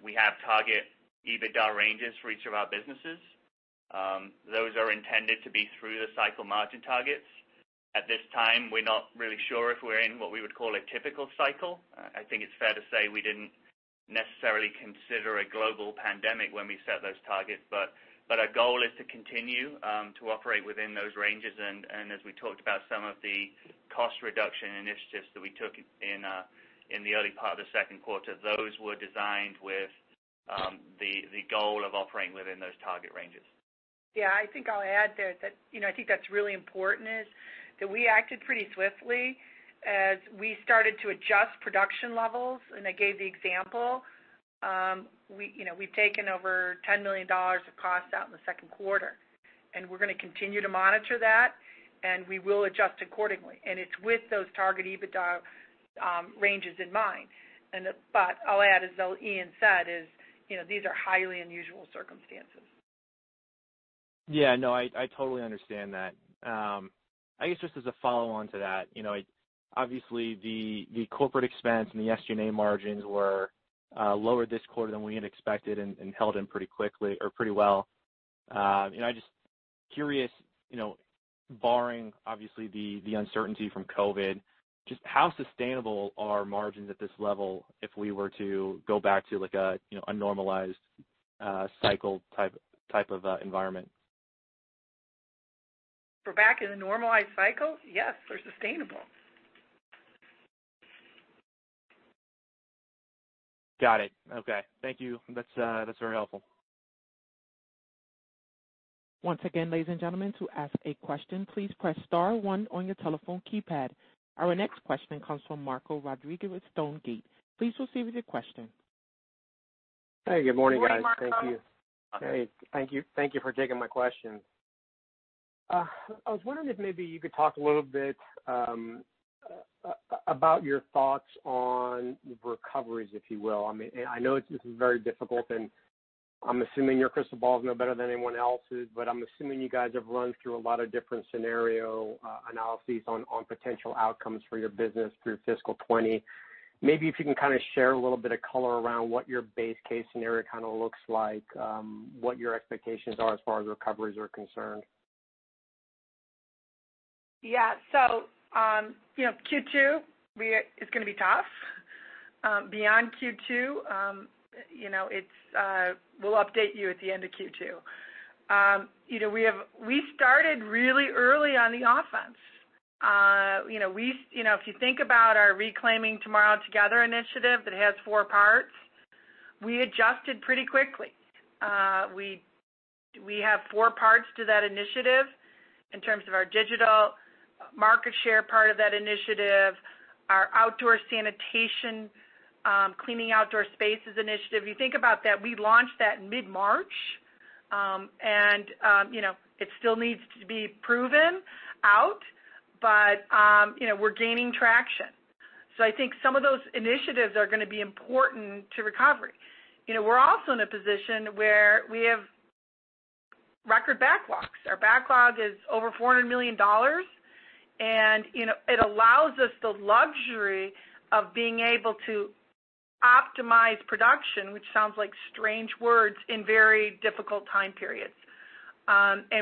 We have target EBITDA ranges for each of our businesses. Those are intended to be through the cycle margin targets. At this time, we're not really sure if we're in what we would call a typical cycle. I think it's fair to say we didn't necessarily consider a global pandemic when we set those targets. Our goal is to continue to operate within those ranges. As we talked about some of the cost reduction initiatives that we took in the early part of the second quarter, those were designed with the goal of operating within those target ranges. Yeah, I think I'll add there that I think that's really important is that we acted pretty swiftly as we started to adjust production levels. I gave the example. We've taken over $10 million of costs out in the second quarter, and we're going to continue to monitor that, and we will adjust accordingly. It's with those target EBITDA ranges in mind. I'll add, as Ian said, is these are highly unusual circumstances. Yeah, no, I totally understand that. I guess just as a follow-on to that, obviously the corporate expense and the SG&A margins were lower this quarter than we had expected and held in pretty quickly or pretty well. I'm just curious, barring obviously the uncertainty from COVID, just how sustainable are margins at this level if we were to go back to a normalized cycle type of environment? If we're back in a normalized cycle? Yes, they're sustainable. Got it. Okay. Thank you. That's very helpful. Once again, ladies and gentlemen, to ask a question, please press star one on your telephone keypad. Our next question comes from Marco Rodriguez with Stonegate. Please proceed with your question. Hey, good morning, guys. Good morning, Marco. Thank you. Thank you for taking my questions. I was wondering if maybe you could talk a little bit about your thoughts on recoveries, if you will. I know this is very difficult, and I'm assuming your crystal ball is no better than anyone else's, but I'm assuming you guys have run through a lot of different scenario analyses on potential outcomes for your business through fiscal 2020. Maybe if you can kind of share a little bit of color around what your base case scenario kind of looks like, what your expectations are as far as recoveries are concerned. Q2 is going to be tough. Beyond Q2, we'll update you at the end of Q2. We started really early on the offense. If you think about our Reclaiming Tomorrow, Together initiative that has four parts. We adjusted pretty quickly. We have four parts to that initiative in terms of our digital market share part of that initiative, our outdoor sanitation, cleaning outdoor spaces initiative. You think about that, we launched that mid-March, and it still needs to be proven out, but we're gaining traction. I think some of those initiatives are going to be important to recovery. We're also in a position where we have record backlogs. Our backlog is over $400 million, and it allows us the luxury of being able to optimize production, which sounds like strange words, in very difficult time periods.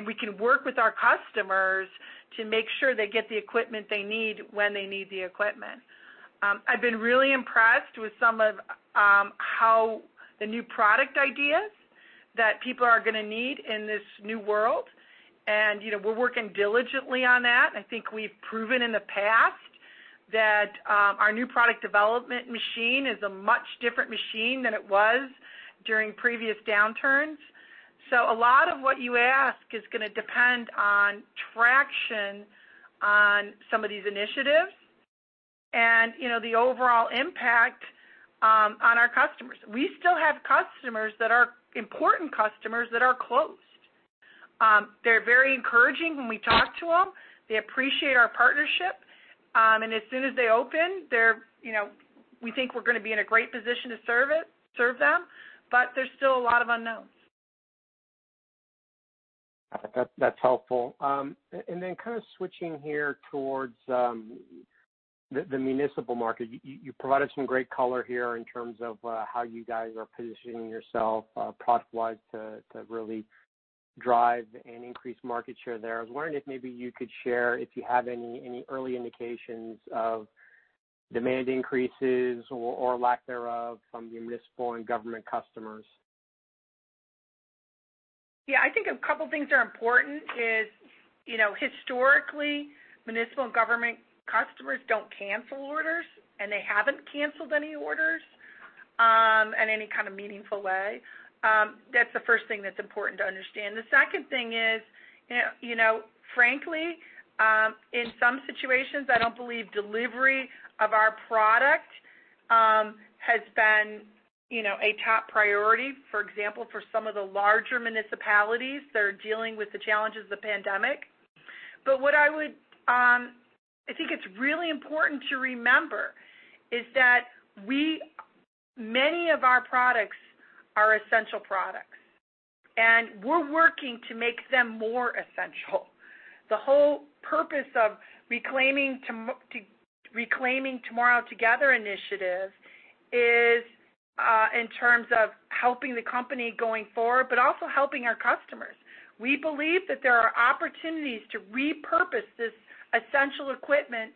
We can work with our customers to make sure they get the equipment they need when they need the equipment. I've been really impressed with some of how the new product ideas that people are going to need in this new world, and we're working diligently on that. I think we've proven in the past that our new product development machine is a much different machine than it was during previous downturns. A lot of what you ask is going to depend on traction on some of these initiatives and the overall impact on our customers. We still have customers that are important customers that are closed. They're very encouraging when we talk to them. They appreciate our partnership. As soon as they open, we think we're going to be in a great position to serve them, but there's still a lot of unknowns. That's helpful. Then kind of switching here towards the municipal market. You provided some great color here in terms of how you guys are positioning yourself product-wise to really drive and increase market share there. I was wondering if maybe you could share if you have any early indications of demand increases or lack thereof from municipal and government customers? Yeah, I think a couple things are important is, historically, municipal government customers don't cancel orders, and they haven't canceled any orders in any kind of meaningful way. That's the first thing that's important to understand. The second thing is, frankly, in some situations, I don't believe delivery of our product has been a top priority, for example, for some of the larger municipalities that are dealing with the challenges of the pandemic. What I think it's really important to remember is that many of our products are essential products, and we're working to make them more essential. The whole purpose of Reclaiming Tomorrow, Together initiative is in terms of helping the company going forward, but also helping our customers. We believe that there are opportunities to repurpose this essential equipment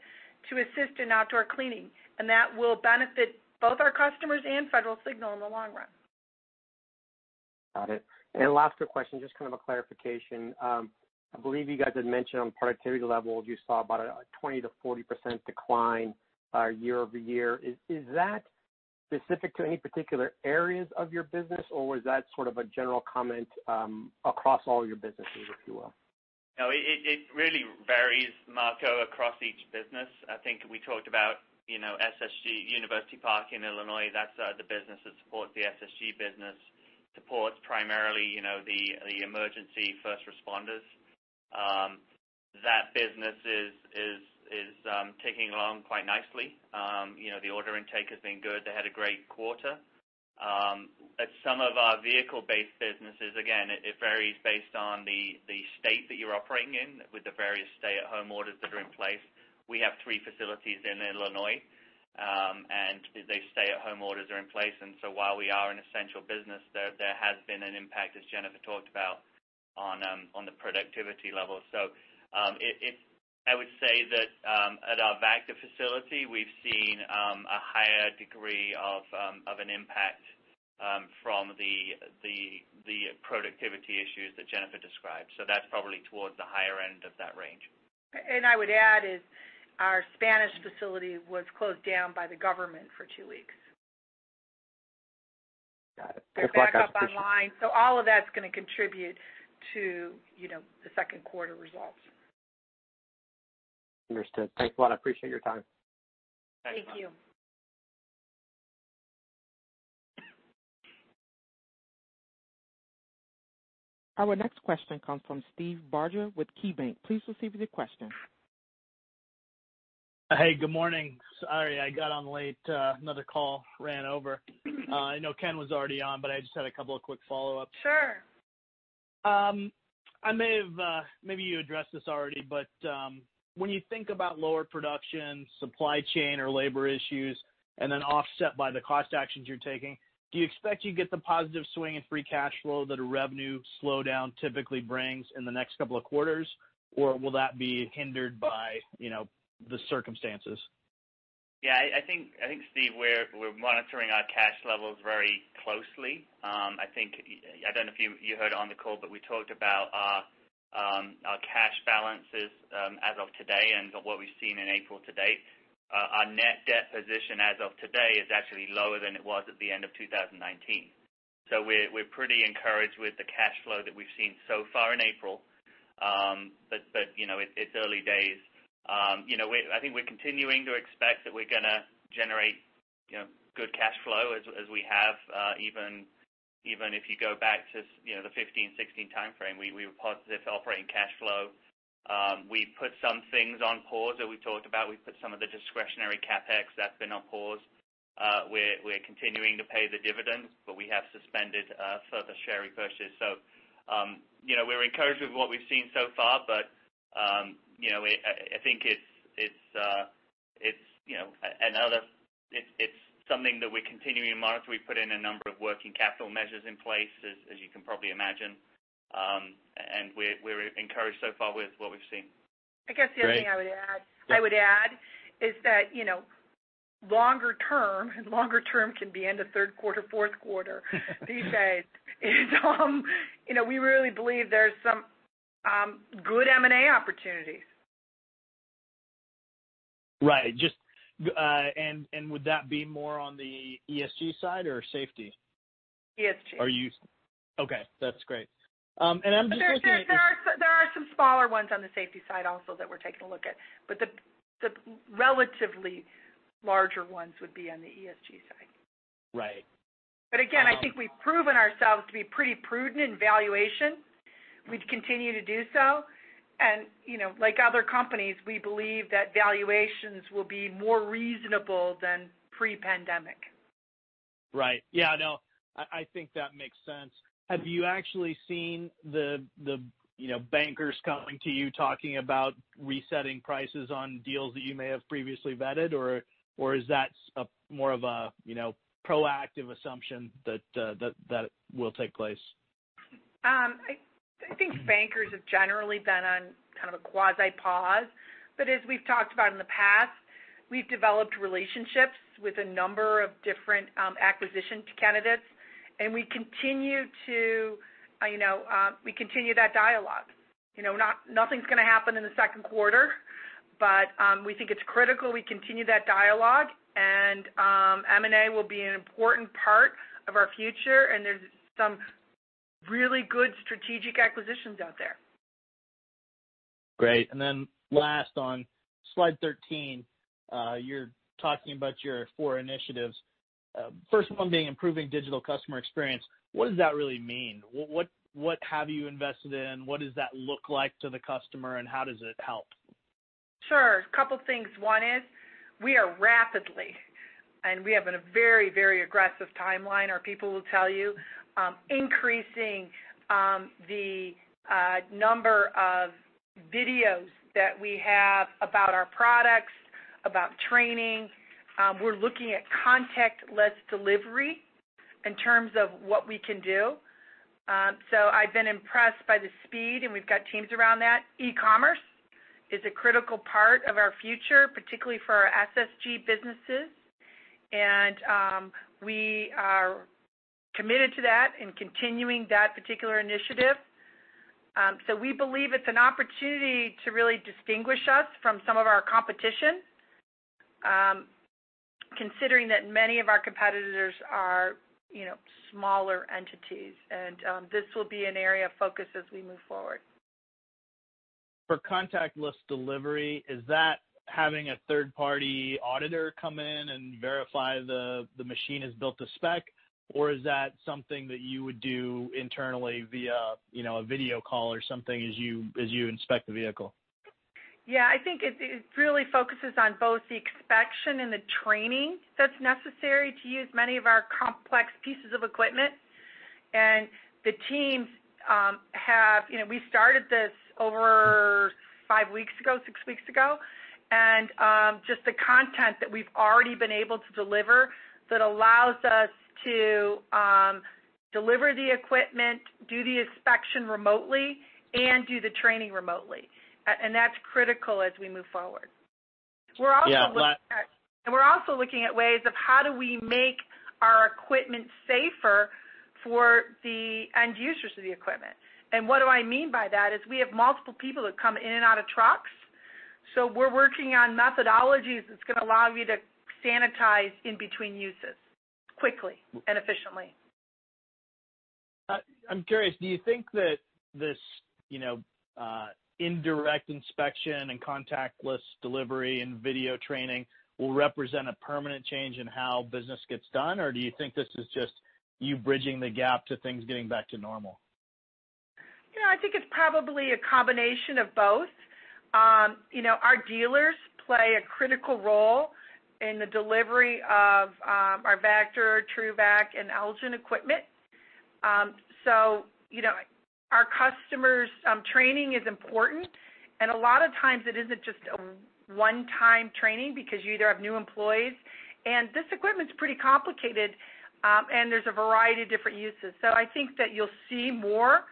to assist in outdoor cleaning. That will benefit both our customers and Federal Signal in the long run. Got it. Last two questions, just kind of a clarification. I believe you guys had mentioned on productivity levels, you saw about a 20%-40% decline year-over-year. Is that specific to any particular areas of your business, or was that sort of a general comment across all your businesses, if you will? No, it really varies, Marco, across each business. I think we talked about SSG University Park in Illinois. That's the business that supports the SSG business, supports primarily the emergency first responders. That business is ticking along quite nicely. The order intake has been good. They had a great quarter. At some of our vehicle-based businesses, again, it varies based on the state that you're operating in with the various stay-at-home orders that are in place. We have three facilities in Illinois, and the stay-at-home orders are in place. While we are an essential business, there has been an impact, as Jennifer talked about, on the productivity level. I would say that at our Vactor facility, we've seen a higher degree of an impact from the productivity issues that Jennifer described. That's probably towards the higher end of that range. I would add is our Spanish facility was closed down by the government for two weeks. Got it. They're back up online. All of that's going to contribute to the second quarter results. Understood. Thanks a lot. I appreciate your time. Thanks, Marco. Thank you. Our next question comes from Steve Barger with KeyBanc. Please proceed with your question. Hey, good morning. Sorry I got on late. Another call ran over. I know Ken was already on, but I just had a couple of quick follow-ups. Sure. Maybe you addressed this already, when you think about lower production, supply chain or labor issues, then offset by the cost actions you're taking, do you expect you get the positive swing in free cash flow that a revenue slowdown typically brings in the next couple of quarters? Will that be hindered by the circumstances? I think, Steve, we're monitoring our cash levels very closely. I don't know if you heard on the call, we talked about Our cash balances as of today and what we've seen in April to date, our net debt position as of today is actually lower than it was at the end of 2019. We're pretty encouraged with the cash flow that we've seen so far in April. It's early days. I think we're continuing to expect that we're going to generate good cash flow as we have even if you go back to the 2015, 2016 timeframe. We were positive operating cash flow. We put some things on pause that we talked about. We put some of the discretionary CapEx, that's been on pause. We're continuing to pay the dividends, we have suspended further share repurchase. We're encouraged with what we've seen so far, but I think it's something that we're continuing to monitor. We put in a number of working capital measures in place, as you can probably imagine. We're encouraged so far with what we've seen. I guess the only thing I would add is that longer term, longer term can be end of third quarter, fourth quarter these days, is we really believe there's some good M&A opportunities. Right. Would that be more on the ESG side or safety? ESG. Okay. That's great. I'm just interested. There are some smaller ones on the safety side also that we're taking a look at, but the relatively larger ones would be on the ESG side. Right. Again, I think we've proven ourselves to be pretty prudent in valuation. We'd continue to do so. Like other companies, we believe that valuations will be more reasonable than pre-pandemic. Right. Yeah, no, I think that makes sense. Have you actually seen the bankers coming to you talking about resetting prices on deals that you may have previously vetted? Or is that more of a proactive assumption that will take place? I think bankers have generally been on kind of a quasi-pause, but as we've talked about in the past, we've developed relationships with a number of different acquisition candidates, and we continue that dialogue. Nothing's going to happen in the second quarter, but we think it's critical we continue that dialogue, and M&A will be an important part of our future, and there's some really good strategic acquisitions out there. Great. Last on slide 13, you're talking about your four initiatives. First one being improving digital customer experience. What does that really mean? What have you invested in? What does that look like to the customer, and how does it help? Sure. A couple things. One is we are rapidly, and we have a very aggressive timeline, our people will tell you, increasing the number of videos that we have about our products, about training. We're looking at contactless delivery in terms of what we can do. I've been impressed by the speed, and we've got teams around that. E-commerce is a critical part of our future, particularly for our SSG businesses. We are committed to that and continuing that particular initiative. We believe it's an opportunity to really distinguish us from some of our competition, considering that many of our competitors are smaller entities. This will be an area of focus as we move forward. For contactless delivery, is that having a third-party auditor come in and verify the machine is built to spec, or is that something that you would do internally via a video call or something as you inspect the vehicle? Yeah, I think it really focuses on both the inspection and the training that's necessary to use many of our complex pieces of equipment. We started this over five weeks ago, six weeks ago, and just the content that we've already been able to deliver that allows us to deliver the equipment, do the inspection remotely, and do the training remotely. That's critical as we move forward. Yeah. We're also looking at ways of how do we make our equipment safer for the end users of the equipment. What do I mean by that is we have multiple people that come in and out of trucks. We're working on methodologies that's going to allow you to sanitize in between uses quickly and efficiently. I'm curious, do you think that this indirect inspection and contactless delivery and video training will represent a permanent change in how business gets done? Or do you think this is just you bridging the gap to things getting back to normal? I think it's probably a combination of both. Our dealers play a critical role in the delivery of our Vactor, TRUVAC, and Elgin equipment. Our customers' training is important, and a lot of times it isn't just a one-time training because you either have new employees. This equipment's pretty complicated, and there's a variety of different uses. I think that you'll see more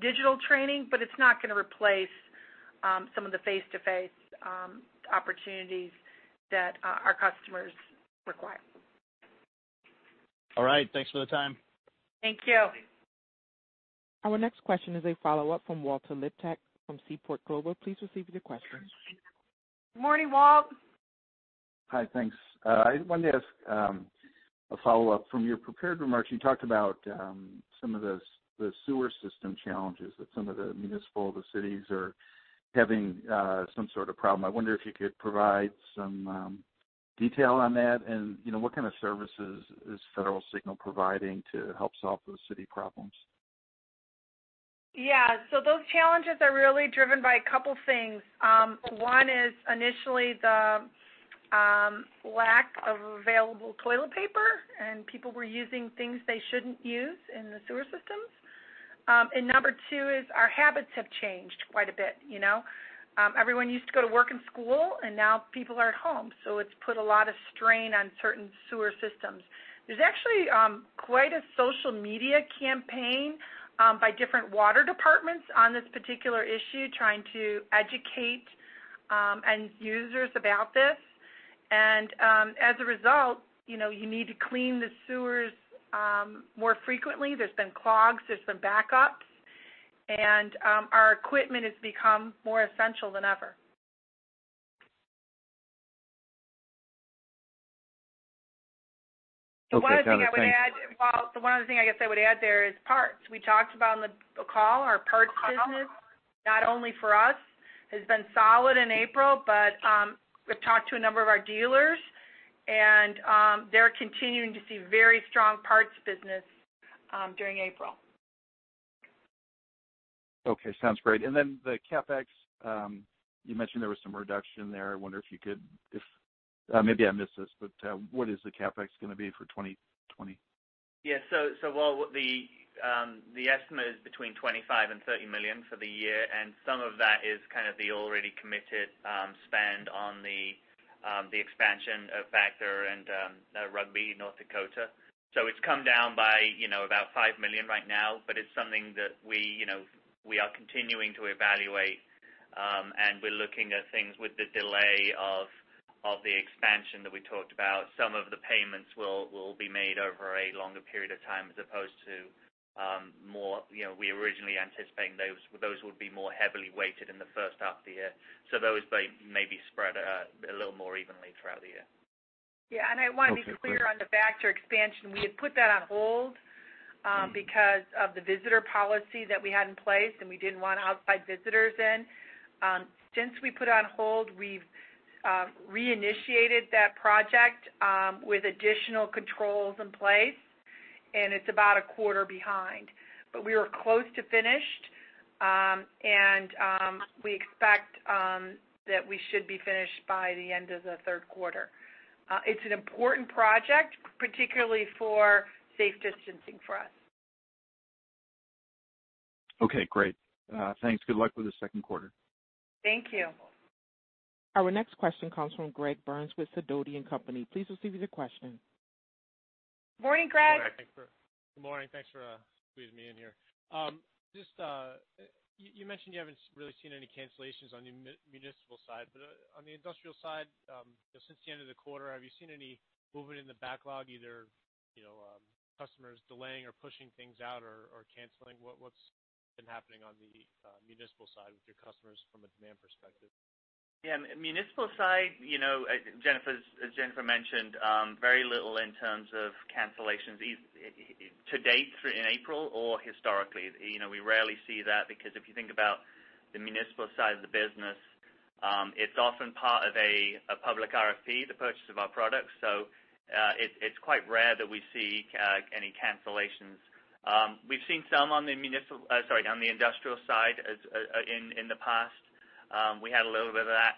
digital training, but it's not going to replace some of the face-to-face opportunities that our customers require. All right. Thanks for the time. Thank you. Our next question is a follow-up from Walter Liptak from Seaport Global. Please proceed with your question. Morning, Walt. Hi. Thanks. I just wanted to ask a follow-up. From your prepared remarks, you talked about some of the sewer system challenges that some of the municipal, the cities are having some sort of problem. I wonder if you could provide some detail on that and what kind of services is Federal Signal providing to help solve those city problems? Yeah. Those challenges are really driven by a couple things. One is initially the lack of available toilet paper, and people were using things they shouldn't use in the sewer systems. Number two is our habits have changed quite a bit. Everyone used to go to work and school, and now people are at home. It's put a lot of strain on certain sewer systems. There's actually quite a social media campaign by different water departments on this particular issue, trying to educate end users about this. As a result, you need to clean the sewers more frequently. There's been clogs, there's been backups, and our equipment has become more essential than ever. Okay, got it. Thank you. The one other thing I guess I would add there is parts. We talked about on the call our parts business, not only for us, has been solid in April, but we've talked to a number of our dealers, and they're continuing to see very strong parts business during April. Okay, sounds great. The CapEx, you mentioned there was some reduction there. I wonder if you could, maybe I missed this, what is the CapEx going to be for 2020? Yeah. The estimate is between $25 million and $30 million for the year, and some of that is kind of the already committed spend on the expansion of Vactor and Rugby, North Dakota. It's come down by about $5 million right now, but it's something that we are continuing to evaluate. We're looking at things with the delay of the expansion that we talked about. Some of the payments will be made over a longer period of time as opposed to we originally anticipating those would be more heavily weighted in the first half of the year. Those may be spread a little more evenly throughout the year. Yeah. I wanted to be clear on th Vactor expansion. We had put that on hold because of the visitor policy that we had in place, and we didn't want outside visitors in. Since we put on hold, we've reinitiated that project with additional controls in place, and it's about a quarter behind. We are close to finished. We expect that we should be finished by the end of the third quarter. It's an important project, particularly for safe distancing for us. Okay, great. Thanks. Good luck with the second quarter. Thank you. Our next question comes from Greg Burns with Sidoti & Company. Please proceed with your question. Morning, Greg. Good morning. Thanks for squeezing me in here. You mentioned you haven't really seen any cancellations on the municipal side, but on the industrial side, since the end of the quarter, have you seen any movement in the backlog, either customers delaying or pushing things out or canceling? What's been happening on the municipal side with your customers from a demand perspective? Yeah. Municipal side, as Jennifer mentioned, very little in terms of cancellations to date in April or historically. We rarely see that because if you think about the municipal side of the business, it's often part of a public RFP, the purchase of our products. It's quite rare that we see any cancellations. We've seen some on the industrial side in the past. We had a little bit of that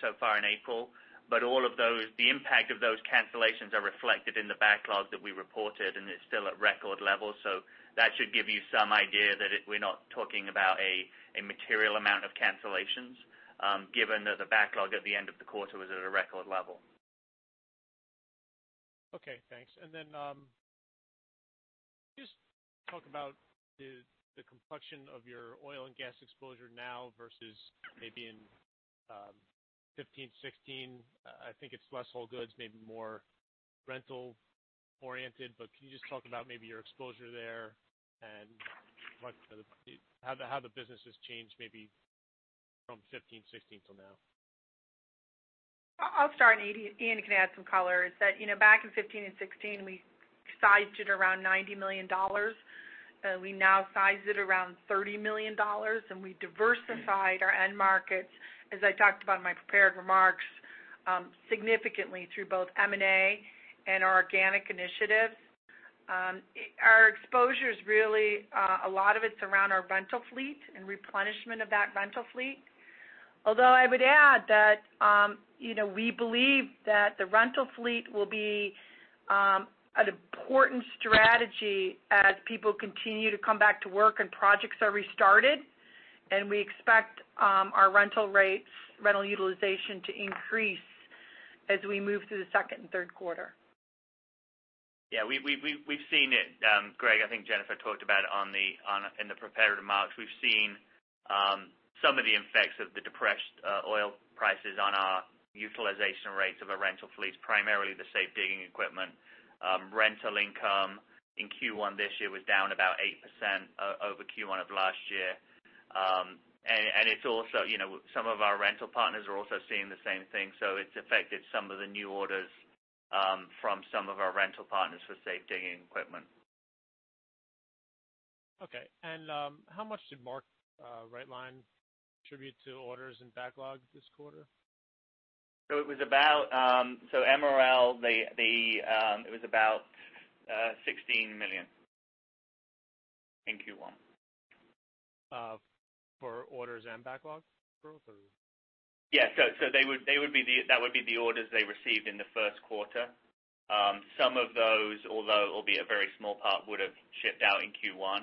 so far in April. All of those, the impact of those cancellations are reflected in the backlog that we reported, and it's still at record levels. That should give you some idea that we're not talking about a material amount of cancellations, given that the backlog at the end of the quarter was at a record level. Okay, thanks. Can you just talk about the complexion of your oil and gas exposure now versus maybe in 2015, 2016? I think it's less whole goods, maybe more rental-oriented. Can you just talk about maybe your exposure there and how the business has changed, maybe from 2015, 2016 till now? I'll start, and Ian can add some color, is that back in 2015 and 2016, we sized it around $90 million. We now size it around $30 million. We diversified our end markets, as I talked about in my prepared remarks, significantly through both M&A and our organic initiatives. Our exposure's really, a lot of it's around our rental fleet and replenishment of that rental fleet. Although I would add that we believe that the rental fleet will be an important strategy as people continue to come back to work and projects are restarted. We expect our rental rates, rental utilization to increase as we move through the second and third quarter. Yeah, we've seen it, Greg. I think Jennifer talked about it in the prepared remarks. We've seen some of the effects of the depressed oil prices on our utilization rates of our rental fleets, primarily the safe digging equipment. Rental income in Q1 this year was down about 8% over Q1 of last year. Some of our rental partners are also seeing the same thing, so it's affected some of the new orders from some of our rental partners for safe digging equipment. Okay, how much did Mark Rite Lines contribute to orders and backlog this quarter? MRL, it was about $16 million in Q1. For orders and backlog growth, or? Yes. That would be the orders they received in the first quarter. Some of those, although it'll be a very small part, would've shipped out in Q1.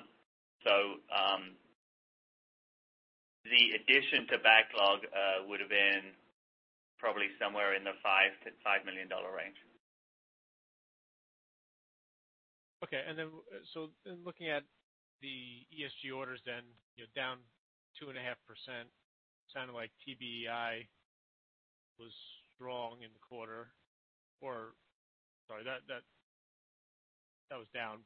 The addition to backlog would've been probably somewhere in the $5 million range. Looking at the ESG orders then, down 2.5%. Sounded like TBEI was strong in the quarter, or sorry that was down.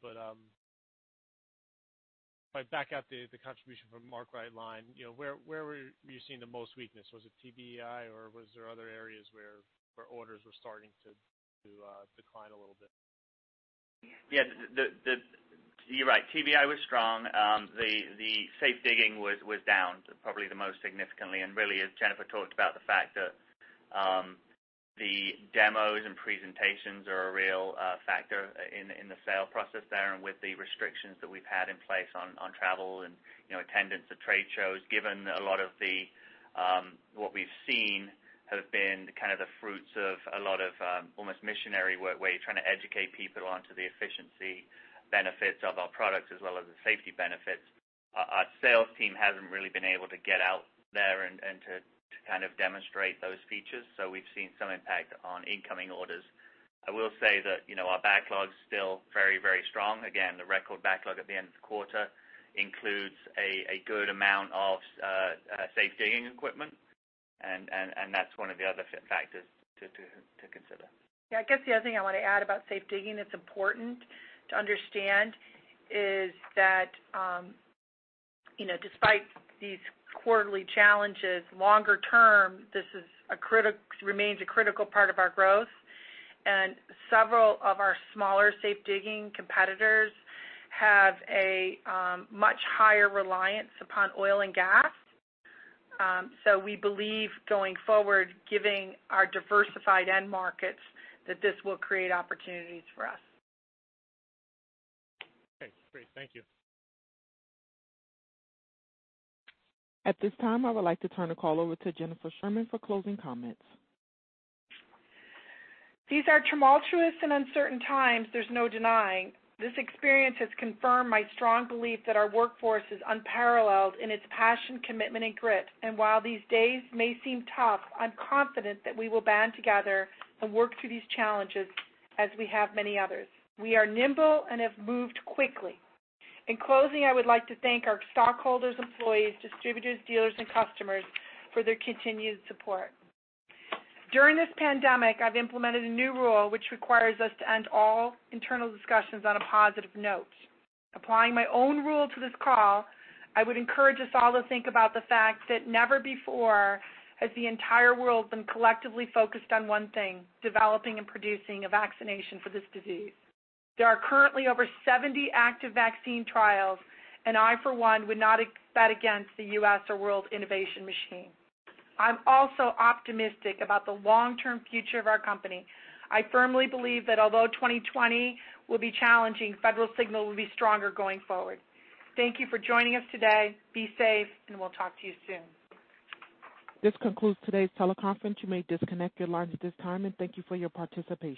If I back out the contribution from Mark Rite Lines, where were you seeing the most weakness? Was it TBEI or was there other areas where orders were starting to decline a little bit? You're right. TBEI was strong. The safe digging was down probably the most significantly, and really as Jennifer talked about the fact that the demos and presentations are a real factor in the sale process there, and with the restrictions that we've had in place on travel and attendance at trade shows. Given a lot of what we've seen have been kind of the fruits of a lot of almost missionary work, where you're trying to educate people onto the efficiency benefits of our products as well as the safety benefits. Our sales team hasn't really been able to get out there and to kind of demonstrate those features. We've seen some impact on incoming orders. I will say that our backlog's still very, very strong. The record backlog at the end of the quarter includes a good amount of safe digging equipment, and that's one of the other factors to consider. Yeah, I guess the other thing I want to add about safe digging that's important to understand is that despite these quarterly challenges, longer term, this remains a critical part of our growth. Several of our smaller safe digging competitors have a much higher reliance upon oil and gas. We believe, going forward, given our diversified end markets, that this will create opportunities for us. Okay, great. Thank you. At this time, I would like to turn the call over to Jennifer Sherman for closing comments. These are tumultuous and uncertain times, there's no denying. This experience has confirmed my strong belief that our workforce is unparalleled in its passion, commitment, and grit. While these days may seem tough, I'm confident that we will band together and work through these challenges as we have many others. We are nimble and have moved quickly. In closing, I would like to thank our stockholders, employees, distributors, dealers, and customers for their continued support. During this pandemic, I've implemented a new rule which requires us to end all internal discussions on a positive note. Applying my own rule to this call, I would encourage us all to think about the fact that never before has the entire world been collectively focused on one thing, developing and producing a vaccination for this disease. There are currently over 70 active vaccine trials, and I, for one, would not bet against the U.S. or world innovation machine. I'm also optimistic about the long-term future of our company. I firmly believe that although 2020 will be challenging, Federal Signal will be stronger going forward. Thank you for joining us today. Be safe, and we'll talk to you soon. This concludes today's teleconference. You may disconnect your lines at this time, and thank you for your participation.